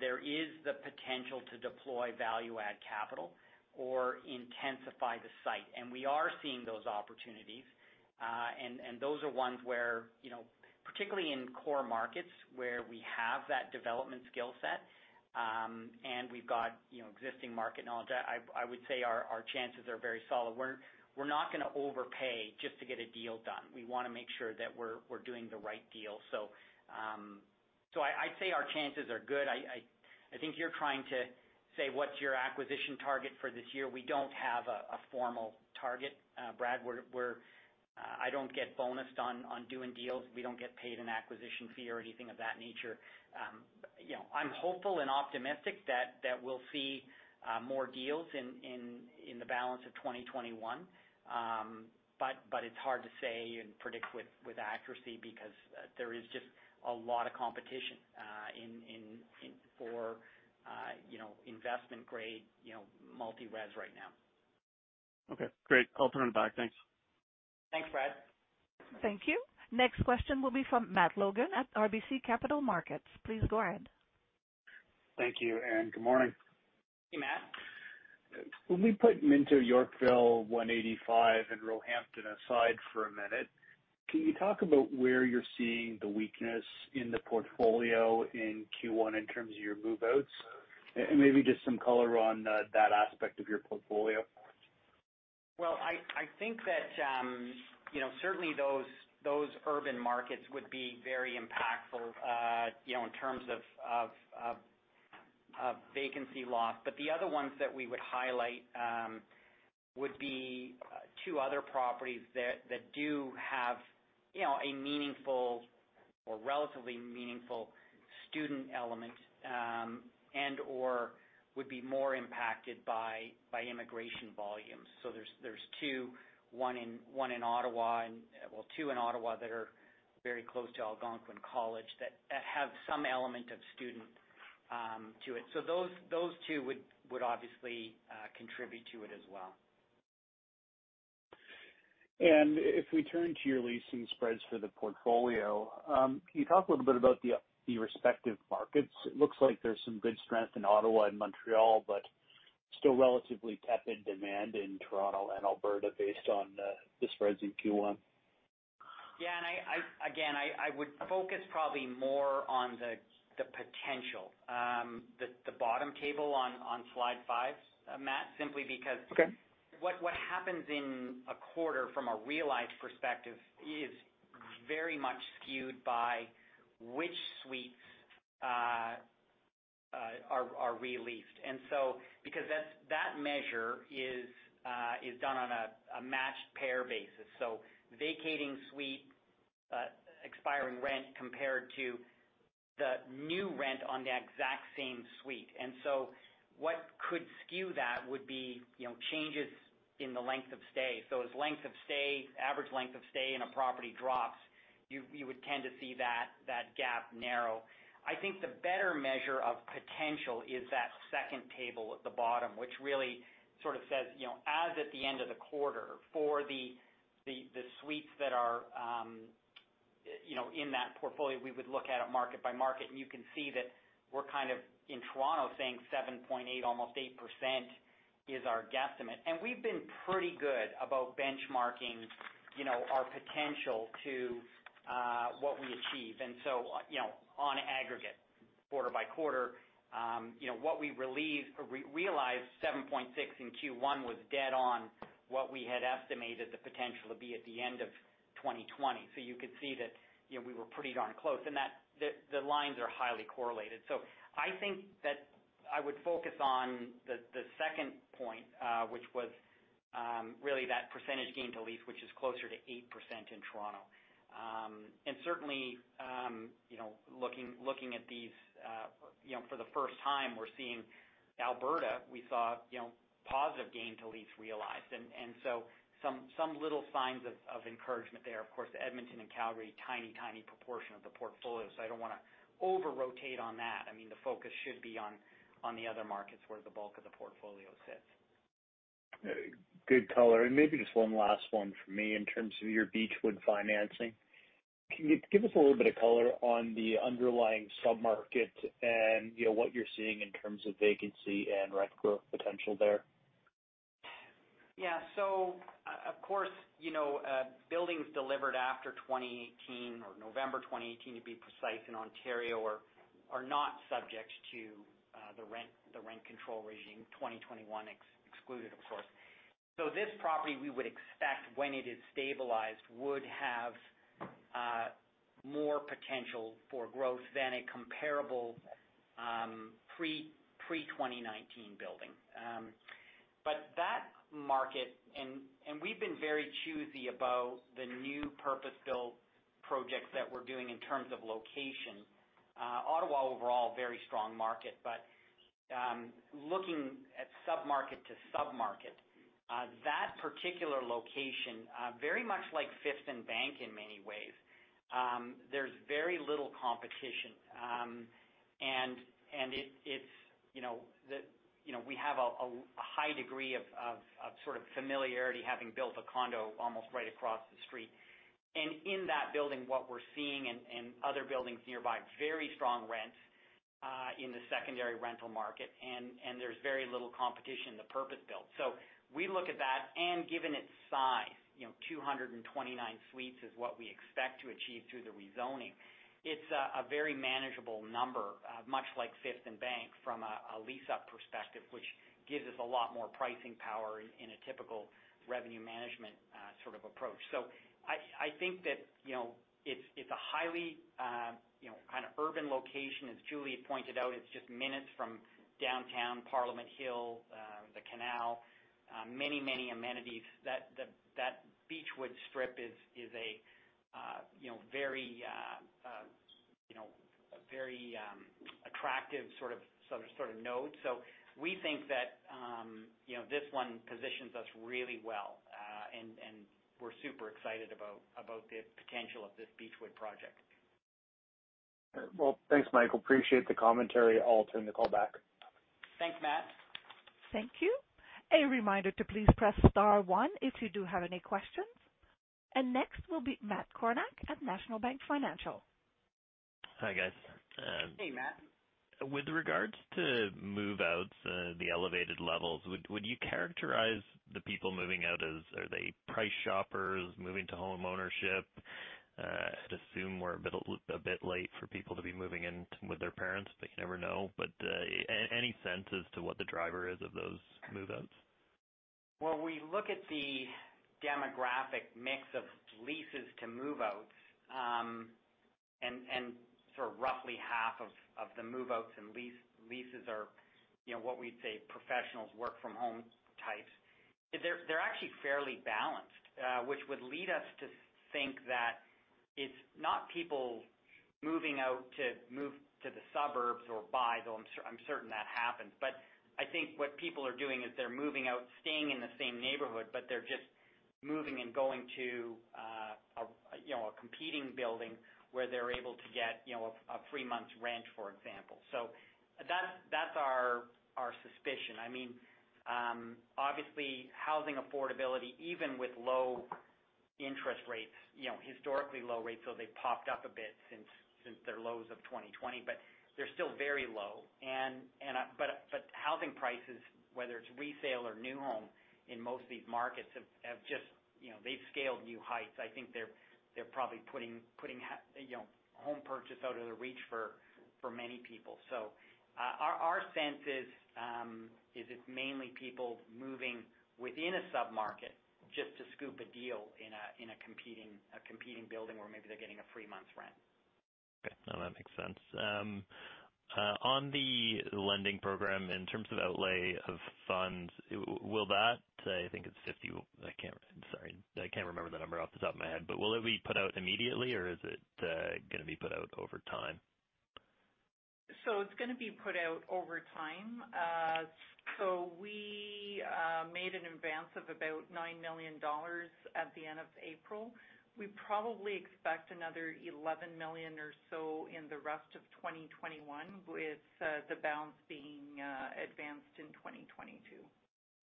there is the potential to deploy value add capital or intensify the site. We are seeing those opportunities. Those are ones where, particularly in core markets where we have that development skill set, and we've got existing market knowledge, I would say our chances are very solid. We're not going to overpay just to get a deal done. We want to make sure that we're doing the right deal. I'd say our chances are good. I think you're trying to say, what's your acquisition target for this year? We don't have a formal target, Brad. I don't get bonused on doing deals. We don't get paid an acquisition fee or anything of that nature. I'm hopeful and optimistic that we'll see more deals in the balance of 2021. It's hard to say and predict with accuracy because there is just a lot of competition for investment-grade multi-res right now. Okay, great. I'll turn it back. Thanks. Thanks, Brad. Thank you. Next question will be from Matt Logan at RBC Capital Markets. Please go ahead. Thank you, and good morning. Hey, Matt. When we put Minto Yorkville 185 and Roehampton aside for a minute, can you talk about where you're seeing the weakness in the portfolio in Q1 in terms of your move-outs? Maybe just some color on that aspect of your portfolio. Well, I think that certainly those urban markets would be very impactful in terms of vacancy loss. The other ones that we would highlight would be two other properties that do have a meaningful or relatively meaningful student element and/or would be more impacted by immigration volumes. There's two, one in Ottawa Well, two in Ottawa that are very close to Algonquin College that have some element of student to it. Those two would obviously contribute to it as well. If we turn to your leasing spreads for the portfolio, can you talk a little bit about the respective markets? It looks like there's some good strength in Ottawa and Montreal, but still relatively tepid demand in Toronto and Alberta based on the spreads in Q1. Yeah. Again, I would focus probably more on the potential. The bottom table on slide five, Matt, simply because. Okay What happens in a quarter from a realized perspective is very much skewed by which suites are re-leased. That measure is done on a matched pair basis. Vacating suite expiring rent compared to the new rent on the exact same suite. What could skew that would be changes in the length of stay. As average length of stay in a property drops, you would tend to see that gap narrow. I think the better measure of potential is that second table at the bottom, which really sort of says, as at the end of the quarter for the suites that are in that portfolio, we would look at it market by market, and you can see that we're kind of in Toronto saying 7.8%, almost 8% is our guesstimate. We've been pretty good about benchmarking our potential to what we achieve. On aggregate, quarter by quarter, what we realized, 7.6 in Q1 was dead on what we had estimated the potential to be at the end of 2020. You could see that we were pretty darn close, and the lines are highly correlated. I think that I would focus on the second point, which was really that percentage gain to lease, which is closer to 8% in Toronto. Certainly, looking at these for the first time, we're seeing Alberta, we saw positive gain to lease realized. Some little signs of encouragement there. Of course, Edmonton and Calgary, tiny proportion of the portfolio. I don't want to over-rotate on that. The focus should be on the other markets where the bulk of the portfolio sits. Good color. Maybe just one last one from me in terms of your Beechwood financing. Can you give us a little bit of color on the underlying sub-market and what you're seeing in terms of vacancy and rent growth potential there? Yeah. Of course, buildings delivered after 2018 or November 2018, to be precise, in Ontario, are not subject to the rent control regime, 2021 excluded, of course. That market, and we've been very choosy about the new purpose-built projects that we're doing in terms of location. Ottawa overall, very strong market, but looking at sub-market to sub-market, that particular location very much like Fifth and Bank in many ways. There's very little competition. We have a high degree of sort of familiarity, having built a condo almost right across the street. In that building, what we're seeing and other buildings nearby, very strong rents in the secondary rental market, and there's very little competition in the purpose-built. We look at that, and given its size, 229 suites is what we expect to achieve through the rezoning. It's a very manageable number, much like Fifth and Bank from a lease-up perspective, which gives us a lot more pricing power in a typical revenue management sort of approach. I think that it's a highly kind of urban location, as Julie pointed out. It's just minutes from downtown Parliament Hill, the canal, many amenities. That Beechwood strip is a very attractive sort of node. We think that this one positions us really well. We're super excited about the potential of this Beechwood project. Well, thanks, Michael. Appreciate the commentary. I'll turn the call back. Thanks, Matt. Thank you. A reminder to please press star one if you do have any questions. Next will be Matt Kornack at National Bank Financial. Hi, guys. Hey, Matt. With regards to move-outs, the elevated levels, would you characterize the people moving out as, are they price shoppers moving to home ownership? I'd assume we're a bit late for people to be moving in with their parents, but you never know. Any sense as to what the driver is of those move-outs? When we look at the demographic mix of leases to move-outs, and sort of roughly half of the move-outs and leases are what we'd say professionals work from home types, they're actually fairly balanced. Which would lead us to think that it's not people moving out to move to the suburbs or buy, though I'm certain that happens. I think what people are doing is they're moving out, staying in the same neighborhood, but they're just moving and going to a competing building where they're able to get a free one month's rent, for example. That's our suspicion. Obviously, housing affordability, even with low interest rates, historically low rates, though they've popped up a bit since their lows of 2020, but they're still very low. Housing prices, whether it's resale or new home in most of these markets, they've scaled new heights. I think they're probably putting home purchase out of the reach for many people. Our sense is, it's mainly people moving within a sub-market just to scoop a deal in a competing building where maybe they're getting a free month's rent. Okay. No, that makes sense. On the lending program, in terms of outlay of funds, I'm sorry, I can't remember the number off the top of my head. Will it be put out immediately, or is it going to be put out over time? It's going to be put out over time. We made an advance of about 9 million dollars at the end of April. We probably expect another 11 million or so in the rest of 2021, with the balance being advanced in 2022.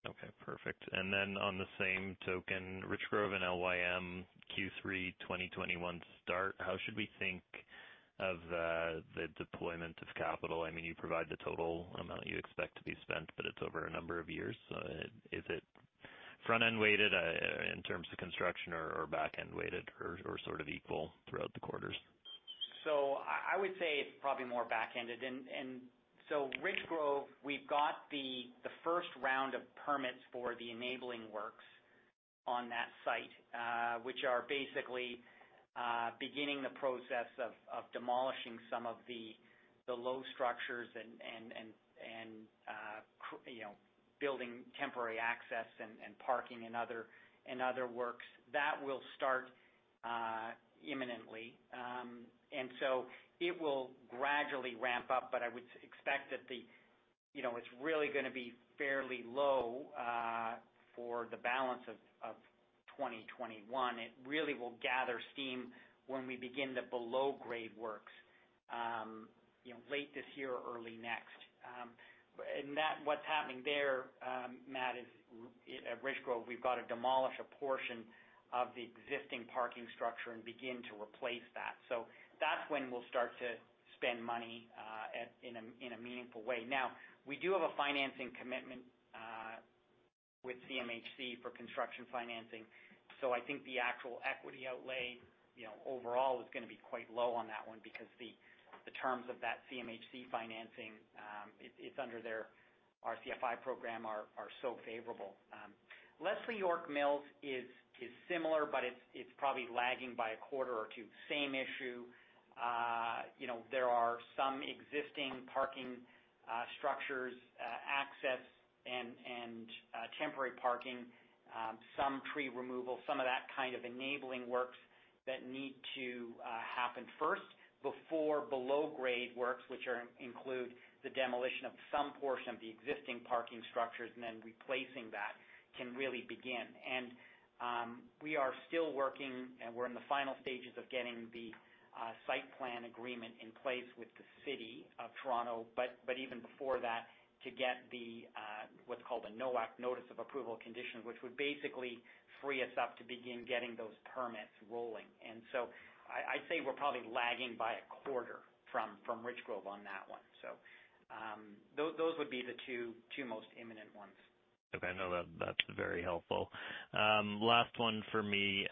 Okay, perfect. On the same token, Richgrove and LYM, Q3 2021 start. How should we think of the deployment of capital? You provide the total amount you expect to be spent, but it's over a number of years. Is it front-end weighted in terms of construction or back-end weighted, or sort of equal throughout the quarters? I would say it's probably more back-ended. Richgrove, we've got the first round of permits for the enabling works on that site, which are basically beginning the process of demolishing some of the low structures and building temporary access and parking and other works. That will start imminently. It will gradually ramp up, but I would expect that it's really going to be fairly low for the balance of 2021. It really will gather steam when we begin the below-grade works late this year or early next. What's happening there, Matt, at Richgrove, we've got to demolish a portion of the existing parking structure and begin to replace that. That's when we'll start to spend money in a meaningful way. We do have a financing commitment with CMHC for construction financing. I think the actual equity outlay overall is going to be quite low on that one because the terms of that CMHC financing, it's under their RCFI program, are so favorable. Leslie York Mills is similar, but it's probably lagging by a quarter or two. Same issue. There are some existing parking structures, access, and temporary parking. Some tree removal, some of that kind of enabling works that need to happen first before below-grade works, which include the demolition of some portion of the existing parking structures and then replacing that can really begin. We are still working, and we're in the final stages of getting the site plan agreement in place with the City of Toronto. Even before that, to get what's called a NOAC, Notice of Approval Conditions, which would basically free us up to begin getting those permits rolling. I'd say we're probably lagging by a quarter from Richgrove on that one. Those would be the two most imminent ones. No, that's very helpful. Last one for me.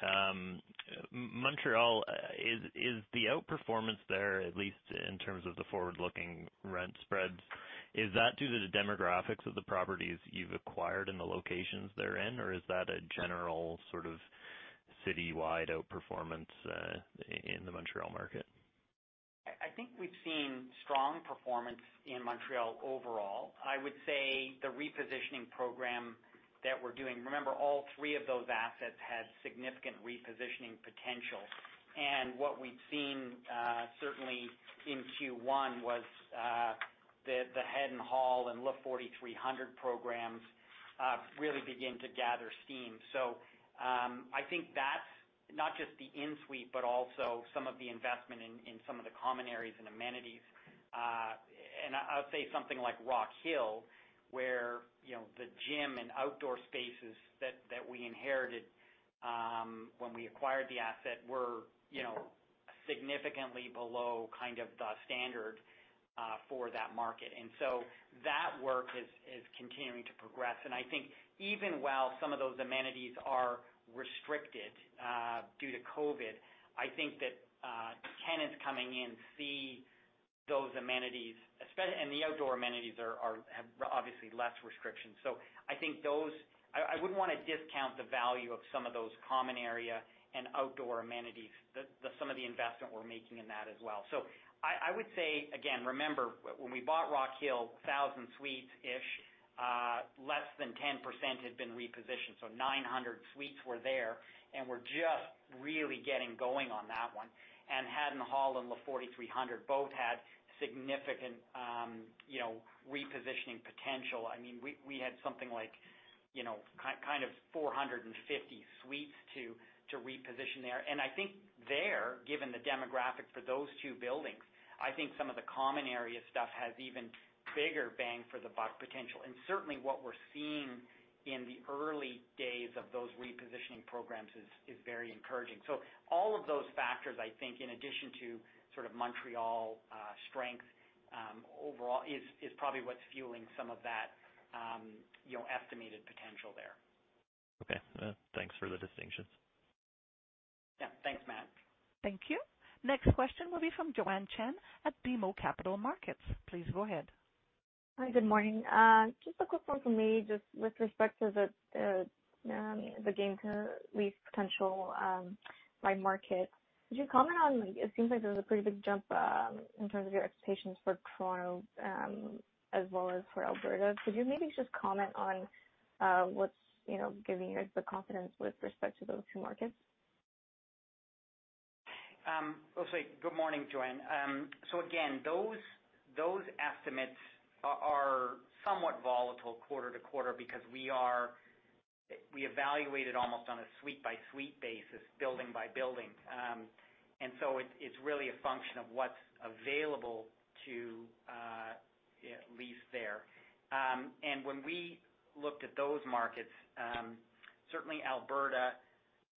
Montreal, is the outperformance there, at least in terms of the forward-looking rent spreads, is that due to the demographics of the properties you've acquired and the locations they're in, or is that a general sort of citywide outperformance in the Montreal market? I think we've seen strong performance in Montreal overall. I would say the repositioning program that we're doing, remember, all three of those assets had significant repositioning potential. What we've seen, certainly in Q1, was the Haddon Hall and Le 4300 programs really begin to gather steam. I think that's not just the in-suite, but also some of the investment in some of the common areas and amenities. I'll say something like Rockhill, where the gym and outdoor spaces that we inherited when we acquired the asset were significantly below the standard for that market. That work is continuing to progress. I think even while some of those amenities are restricted due to COVID-19, I think that tenants coming in see those amenities, and the outdoor amenities have obviously less restrictions. I wouldn't want to discount the value of some of those common area and outdoor amenities, some of the investment we're making in that as well. I would say, again, remember when we bought Rockhill, 1,000 suites-ish, less than 10% had been repositioned. 900 suites were there, and we're just really getting going on that one. Haddon Hall and Le 4300 both had significant repositioning potential. We had something like 450 suites to reposition there. I think there, given the demographic for those two buildings, I think some of the common area stuff has even bigger bang-for-the-buck potential. Certainly what we're seeing in the early days of those repositioning programs is very encouraging. All of those factors, I think, in addition to sort of Montreal strength overall, is probably what's fueling some of that estimated potential there. Okay. Thanks for the distinctions. Yeah. Thanks, Matt. Thank you. Next question will be from Joanne Chen at BMO Capital Markets. Please go ahead. Hi. Good morning. Just a quick one from me just with respect to the gain-to-lease potential by market. Could you comment on, it seems like there's a pretty big jump in terms of your expectations for Toronto as well as for Alberta? Could you maybe just comment on what's giving you the confidence with respect to those two markets? I'll say good morning, Joanne. Again, those estimates are somewhat volatile quarter to quarter because we evaluated almost on a suite-by-suite basis, building by building. It's really a function of what's available to lease there. When we looked at those markets, certainly Alberta,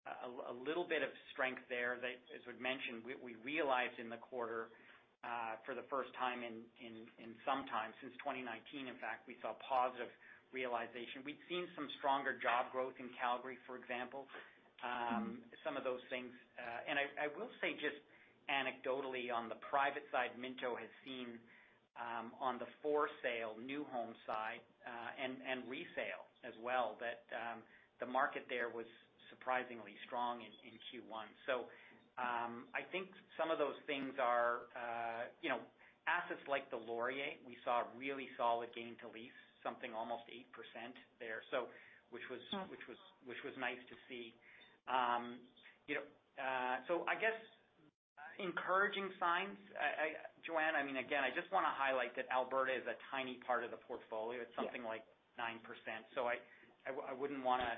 a little bit of strength there that, as we've mentioned, we realized in the quarter for the first time in some time, since 2019, in fact, we saw positive realization. We'd seen some stronger job growth in Calgary, for example, some of those things. I will say, just anecdotally on the private side, Minto has seen on the for-sale new home side and resale as well, that the market there was surprisingly strong in Q1. I think some of those things are assets like the Laurier. We saw a really solid gain to lease, something almost 8% there. Which was nice to see. I guess encouraging signs. Joanne, again, I just want to highlight that Alberta is a tiny part of the portfolio. Yeah. It's something like 9%. I wouldn't want to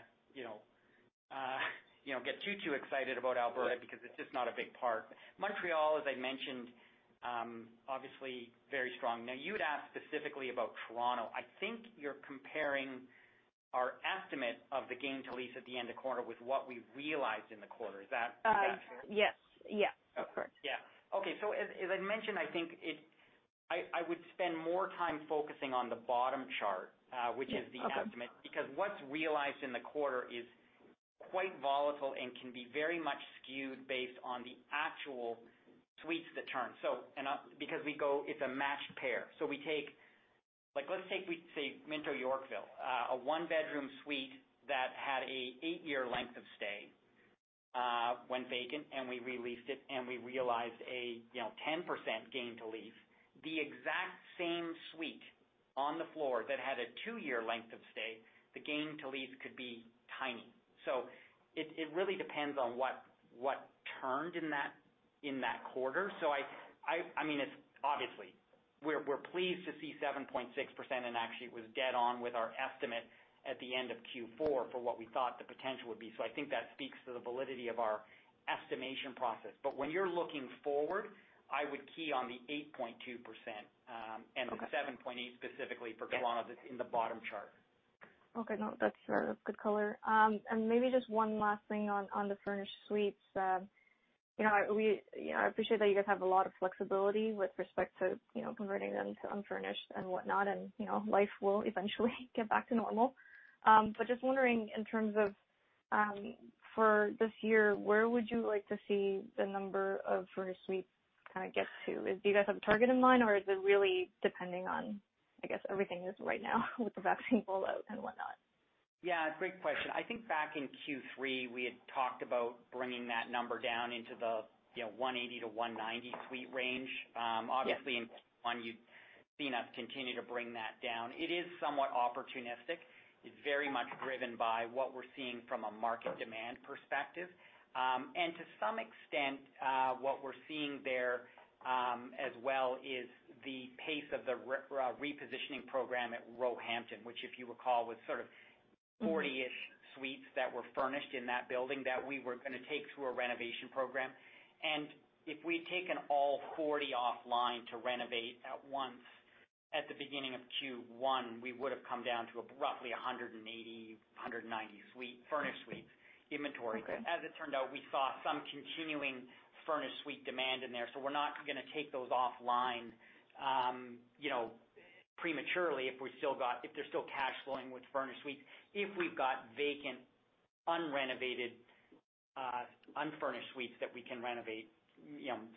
get too excited about Alberta because it's just not a big part. Montreal, as I mentioned, obviously very strong. You'd asked specifically about Toronto. I think you're comparing our estimate of the gain to lease at the end of quarter with what we realized in the quarter. Is that fair? Yes. Of course. Yeah. Okay. As I mentioned, I think I would spend more time focusing on the bottom. Yeah. Okay. Which is the estimate. What's realized in the quarter is quite volatile and can be very much skewed based on the actual suites that turn. It's a matched pair. Let's take, we say Minto Yorkville. A one-bedroom suite that had an eight-year length of stay went vacant, and we re-leased it, and we realized a 10% gain to lease. The exact same suite on the floor that had a two-year length of stay, the gain to lease could be tiny. It really depends on what turned in that quarter. Obviously, we're pleased to see 7.6%, and actually it was dead on with our estimate at the end of Q4 for what we thought the potential would be. I think that speaks to the validity of our estimation process. When you're looking forward, I would key on the 8.2%. Okay The 7.8% specifically for Toronto that's in the bottom chart. Okay. No, that's fair. That's good color. Maybe just one last thing on the furnished suites. I appreciate that you guys have a lot of flexibility with respect to converting them to unfurnished and whatnot, and life will eventually get back to normal. Just wondering in terms of, for this year, where would you like to see the number of furnished suites kind of get to? Do you guys have a target in mind, or is it really depending on, I guess, everything is right now with the vaccine rollout and whatnot? Yeah, great question. I think back in Q3, we had talked about bringing that number down into the 180-190 suite range. Yeah. Obviously, in Q1, you've seen us continue to bring that down. It is somewhat opportunistic. It's very much driven by what we're seeing from a market demand perspective. To some extent, what we're seeing there, as well, is the pace of the repositioning program at Roehampton, which, if you recall, was sort of 40-ish suites that were furnished in that building that we were going to take to a renovation program. If we'd taken all 40 offline to renovate at once at the beginning of Q1, we would've come down to roughly 180, 190 furnished suite inventory. Okay. As it turned out, we saw some continuing furnished suite demand in there, so we're not going to take those offline prematurely if they're still cash flowing with furnished suites, if we've got vacant, unrenovated, unfurnished suites that we can renovate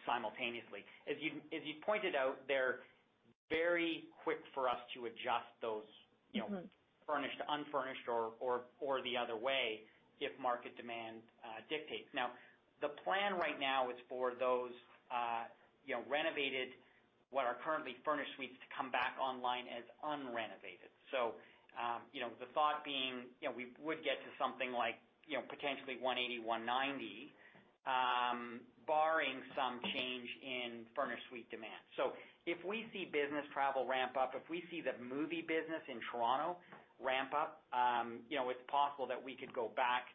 simultaneously. As you pointed out, they're very quick for us to adjust those. furnished to unfurnished, or the other way if market demand dictates. The plan right now is for those renovated, what are currently furnished suites to come back online as unrenovated. The thought being, we would get to something like, potentially 180, 190, barring some change in furnished suite demand. If we see business travel ramp up, if we see the movie business in Toronto ramp up, it's possible that we could go back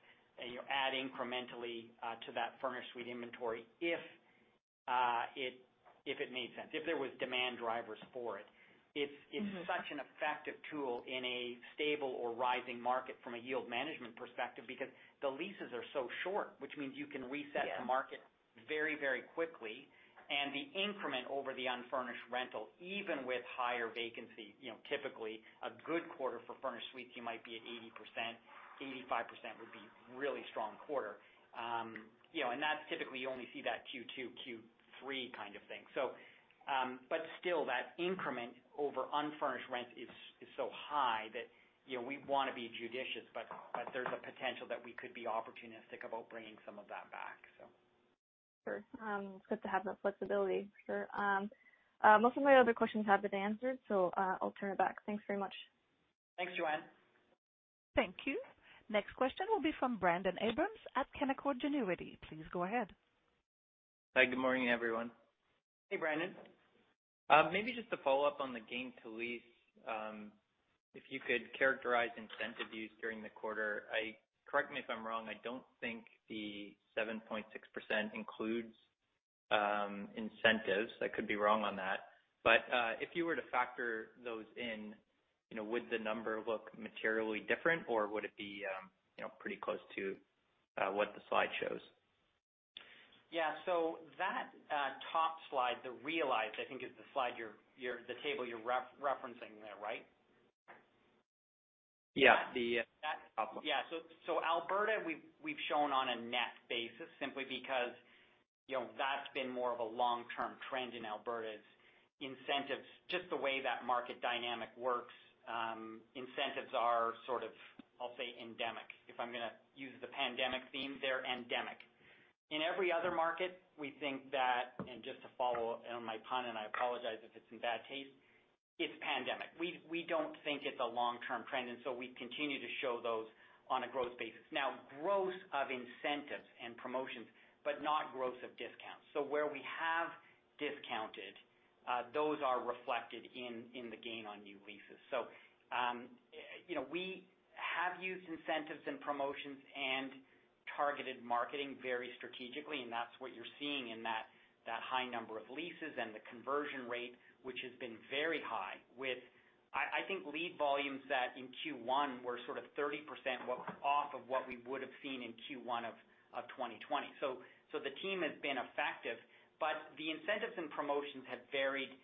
and add incrementally to that furnished suite inventory if it made sense, if there was demand drivers for it. Such an effective tool in a stable or rising market from a yield management perspective because the leases are so short, which means you can reset. Yeah the market very, very quickly. The increment over the unfurnished rental, even with higher vacancy, typically a good quarter for furnished suites, you might be at 80%, 85% would be really strong quarter. That's typically, you only see that Q2, Q3 kind of thing. Still, that increment over unfurnished rent is so high that we want to be judicious, but there's a potential that we could be opportunistic about bringing some of that back. Sure. It's good to have that flexibility. Sure. Most of my other questions have been answered, I'll turn it back. Thanks very much. Thanks, Joanne. Thank you. Next question will be from Brendon Abrams at Canaccord Genuity. Please go ahead. Hi, good morning, everyone. Hey, Brendon. Maybe just to follow up on the gain to lease. If you could characterize incentive use during the quarter. Correct me if I'm wrong, I don't think the 7.6% includes incentives. I could be wrong on that. If you were to factor those in, would the number look materially different, or would it be pretty close to what the slide shows? Yeah. That top slide, the realized, I think is the table you're referencing there, right? Yeah. The top one. Yeah. Alberta, we've shown on a net basis simply because that's been more of a long-term trend in Alberta's incentives. Just the way that market dynamic works, incentives are sort of, I'll say endemic. If I'm going to use the pandemic theme, they're endemic. In every other market, we think that, and just to follow on my pun, and I apologize if it's in bad taste, it's pandemic. We don't think it's a long-term trend, and so we continue to show those on a growth basis. Now, growth of incentives and promotions, but not growth of discounts. Where we have discounted, those are reflected in the gain on new leases. We have used incentives and promotions and targeted marketing very strategically, and that's what you're seeing in that high number of leases and the conversion rate, which has been very high with, I think, lead volumes that in Q1 were sort of 30% off of what we would have seen in Q1 of 2020. The team has been effective, the incentives and promotions have varied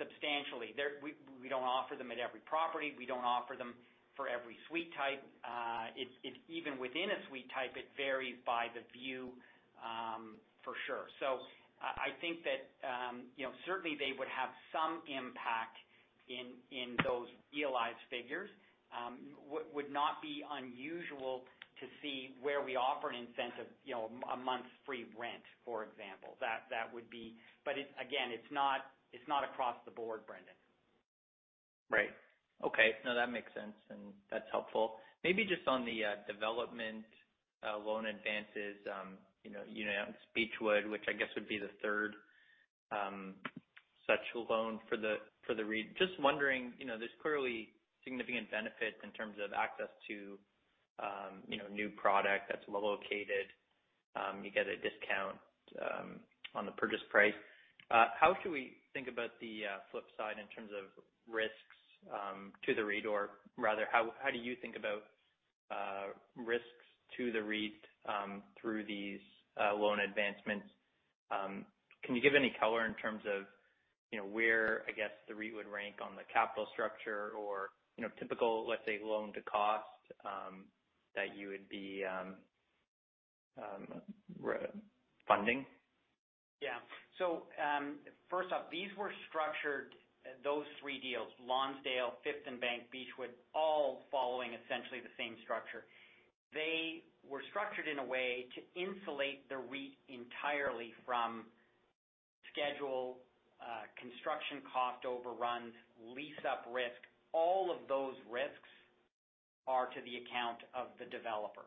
substantially. We don't offer them at every property. We don't offer them for every suite type. Even within a suite type, it varies by the view, for sure. I think that certainly they would have some impact in those realized figures. Would not be unusual to see where we offer an incentive, a month's free rent, for example. Again, it's not across the board, Brendon. Right. Okay. No, that makes sense, and that's helpful. Maybe just on the development loan advances, you know, Beechwood, which I guess would be the third such loan. Just wondering, there's clearly significant benefit in terms of access to new product that's well located. You get a discount on the purchase price. How should we think about the flip side in terms of risks to the REIT or rather, how do you think about risks to the REIT through these loan advancements? Can you give any color in terms of where, I guess, the REIT would rank on the capital structure or typical, let's say, loan to cost that you would be funding? Yeah. First off, these were structured, those three deals, Lonsdale, Fifth and Bank, Beechwood, all following essentially the same structure. They were structured in a way to insulate the REIT entirely from schedule, construction cost overruns, lease-up risk. All of those risks are to the account of the developer.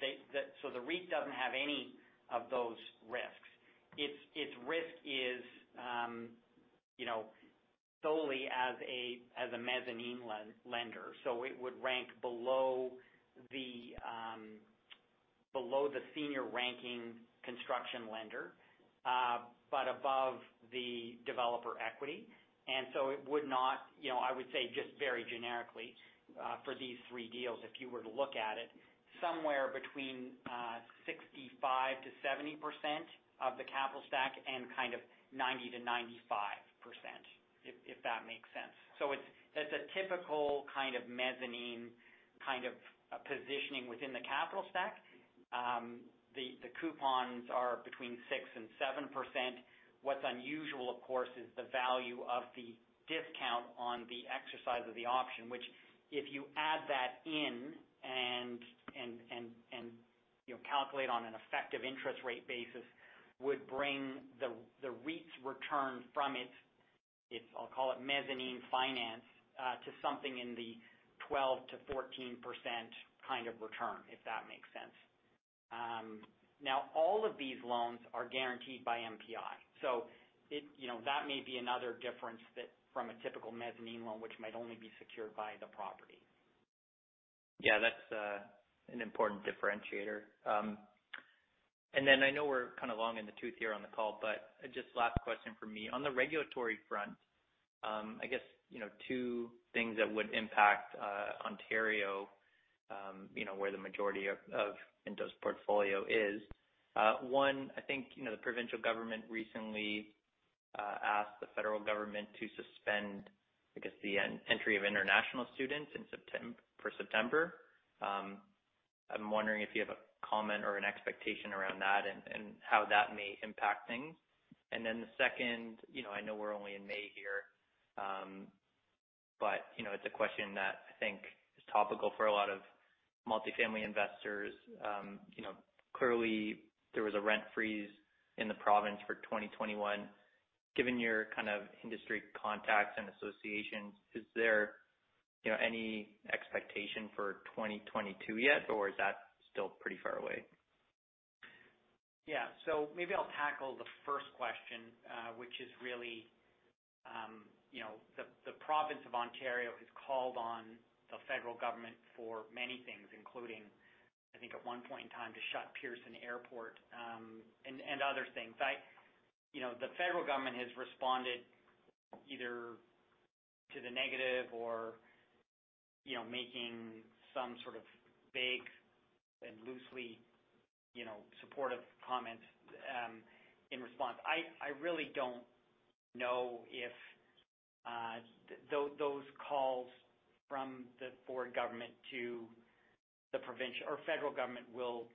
The REIT doesn't have any of those risks. Its risk is solely as a mezzanine lender. It would rank below the senior ranking construction lender, but above the developer equity. It would not, I would say just very generically for these three deals, if you were to look at it, somewhere between 65%-70% of the capital stack and kind of 90%-95%, if that makes sense. It's a typical kind of mezzanine kind of positioning within the capital stack. The coupons are between 6% and 7%. What's unusual, of course, is the value of the discount on the exercise of the option, which if you add that in and calculate on an effective interest rate basis, would bring the REIT's return from its, I'll call it mezzanine finance, to something in the 12%-14% kind of return, if that makes sense. All of these loans are guaranteed by MPI. That may be another difference from a typical mezzanine loan, which might only be secured by the property. Yeah, that's an important differentiator. I know we're kind of long in the tooth here on the call, just last question from me. On the regulatory front, I guess, two things that would impact Ontario, where the majority of Minto's portfolio is. One, I think, the provincial government recently asked the federal government to suspend, I guess, the entry of international students for September. I'm wondering if you have a comment or an expectation around that and how that may impact things. The second, I know we're only in May here. It's a question that I think is topical for a lot of multifamily investors. Clearly there was a rent freeze in the province for 2021. Given your kind of industry contacts and associations, is there any expectation for 2022 yet, or is that still pretty far away? Maybe I'll tackle the first question which is really the province of Ontario has called on the federal government for many things, including, I think, at one point in time to shut Pearson Airport, and other things. The federal government has responded either to the negative or making some sort of vague and loosely supportive comments in response. I really don't know if those calls from the Ford government to the provincial or federal government will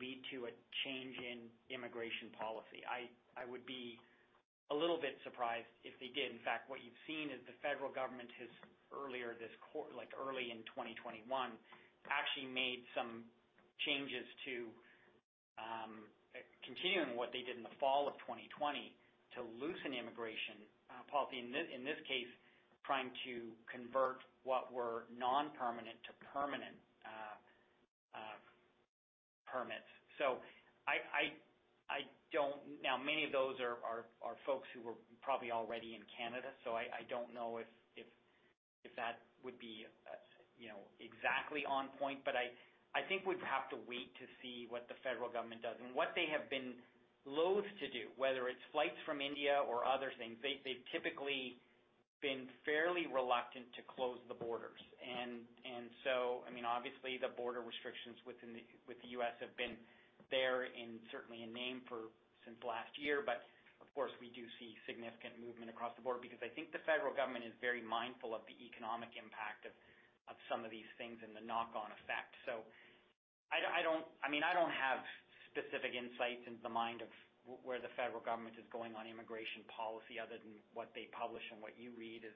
lead to a change in immigration policy. I would be a little bit surprised if they did. In fact, what you've seen is the federal government has earlier this quarter, like early in 2021, actually made some changes to continuing what they did in the fall of 2020 to loosen immigration policy. In this case, trying to convert what were non-permanent to permanent permits. Many of those are folks who were probably already in Canada, so I don't know if that would be exactly on point. I think we'd have to wait to see what the federal government does and what they have been loath to do, whether it's flights from India or other things. They've typically been fairly reluctant to close the borders. Obviously, the border restrictions with the U.S. have been there in certainly in name since last year. Of course, we do see significant movement across the border because I think the federal government is very mindful of the economic impact of some of these things and the knock-on effect. I don't have specific insights into the mind of where the federal government is going on immigration policy other than what they publish and what you read is,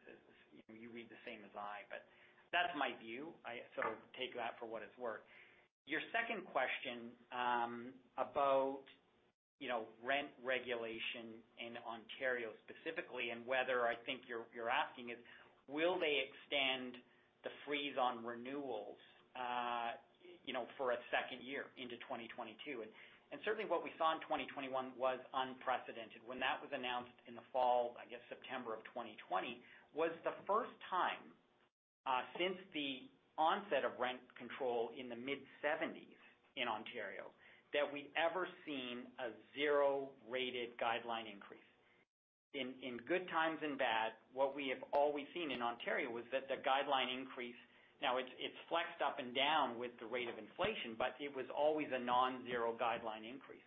you read the same as I. That's my view. Take that for what it's worth. Your second question about rent regulation in Ontario specifically and whether I think you're asking is, will they extend the freeze on renewals for a second year into 2022? Certainly, what we saw in 2021 was unprecedented. When that was announced in the fall, I guess, September of 2020, was the first time since the onset of rent control in the mid-1970s in Ontario, that we ever seen a zero-rated guideline increase. In good times and bad, what we have always seen in Ontario was that the guideline increase, now it's flexed up and down with the rate of inflation, but it was always a non-zero guideline increase.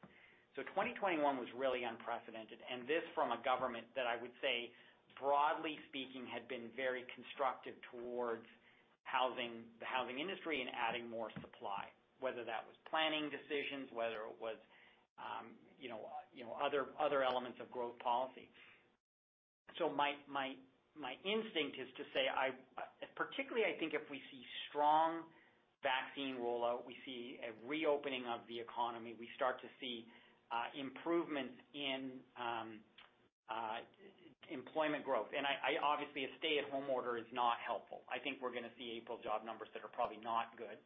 2021 was really unprecedented, and this from a government that I would say, broadly speaking, had been very constructive towards the housing industry and adding more supply, whether that was planning decisions, whether it was other elements of growth policy. My instinct is to say, particularly I think if we see strong vaccine rollout, we see a reopening of the economy, we start to see improvements in employment growth. Obviously a stay-at-home order is not helpful. I think we're going to see April job numbers that are probably not good.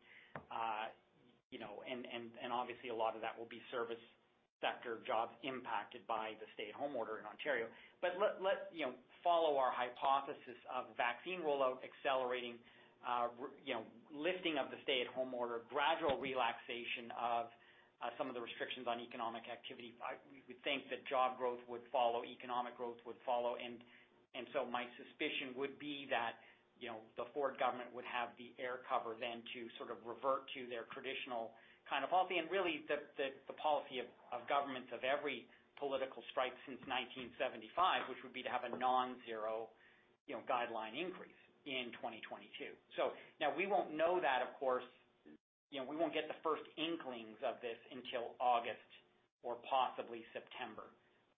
Obviously a lot of that will be service sector jobs impacted by the stay-at-home order in Ontario. Let's follow our hypothesis of vaccine rollout accelerating, lifting of the stay-at-home order, gradual relaxation of some of the restrictions on economic activity. We think that job growth would follow, economic growth would follow, my suspicion would be that the Ford government would have the air cover then to sort of revert to their traditional kind of policy. Really the policy of governments of every political stripe since 1975, which would be to have a non-zero guideline increase in 2022. Now we won't know that, of course, we won't get the first inklings of this until August or possibly September,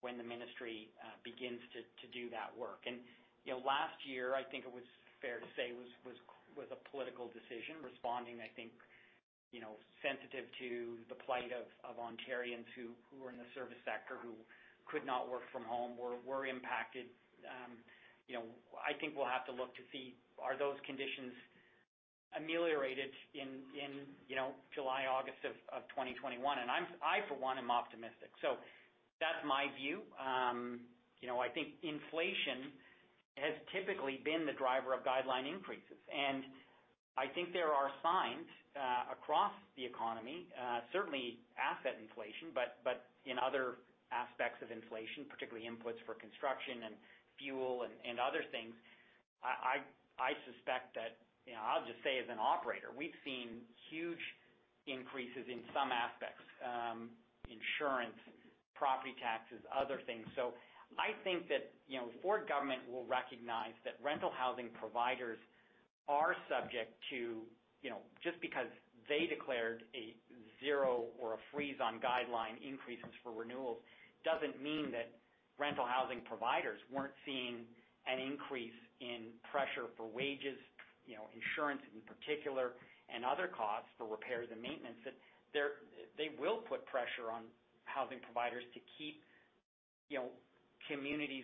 when the ministry begins to do that work. Last year, I think it was fair to say, was a political decision, responding, I think, sensitive to the plight of Ontarians who are in the service sector, who could not work from home, were impacted. I think we'll have to look to see, are those conditions ameliorated in July, August of 2021? I, for one, am optimistic. That's my view. I think inflation has typically been the driver of guideline increases, and I think there are signs across the economy, certainly asset inflation, but in other aspects of inflation, particularly inputs for construction and fuel and other things. I suspect that, I'll just say as an operator, we've seen huge increases in some aspects, insurance, property taxes, other things. I think that Ford government will recognize that rental housing providers are subject to just because they declared a zero or a freeze on guideline increases for renewals doesn't mean that rental housing providers weren't seeing an increase in pressure for wages, insurance in particular, and other costs for repairs and maintenance, that they will put pressure on housing providers to keep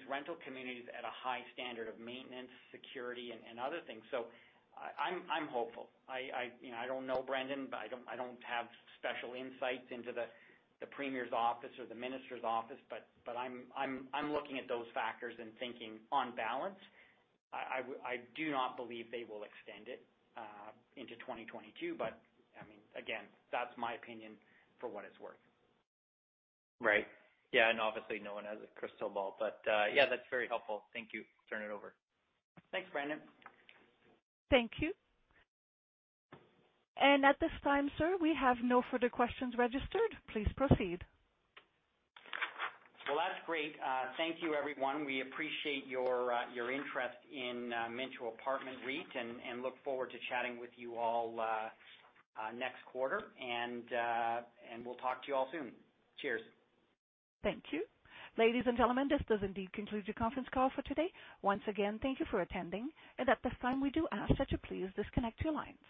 rental communities at a high standard of maintenance, security, and other things. I'm hopeful. I don't know, Brendon, I don't have special insights into the premier's office or the minister's office, but I'm looking at those factors and thinking on balance, I do not believe they will extend it into 2022. Again, that's my opinion for what it's worth. Right. Yeah, obviously no one has a crystal ball. Yeah, that's very helpful. Thank you. Turn it over. Thanks, Brendon. Thank you. At this time, sir, we have no further questions registered. Please proceed. Well, that's great. Thank you everyone. We appreciate your interest in Minto Apartment REIT and look forward to chatting with you all next quarter. We'll talk to you all soon. Cheers. Thank you. Ladies and gentlemen, this does indeed conclude your conference call for today. Once again, thank you for attending. At this time, we do ask that you please disconnect your line.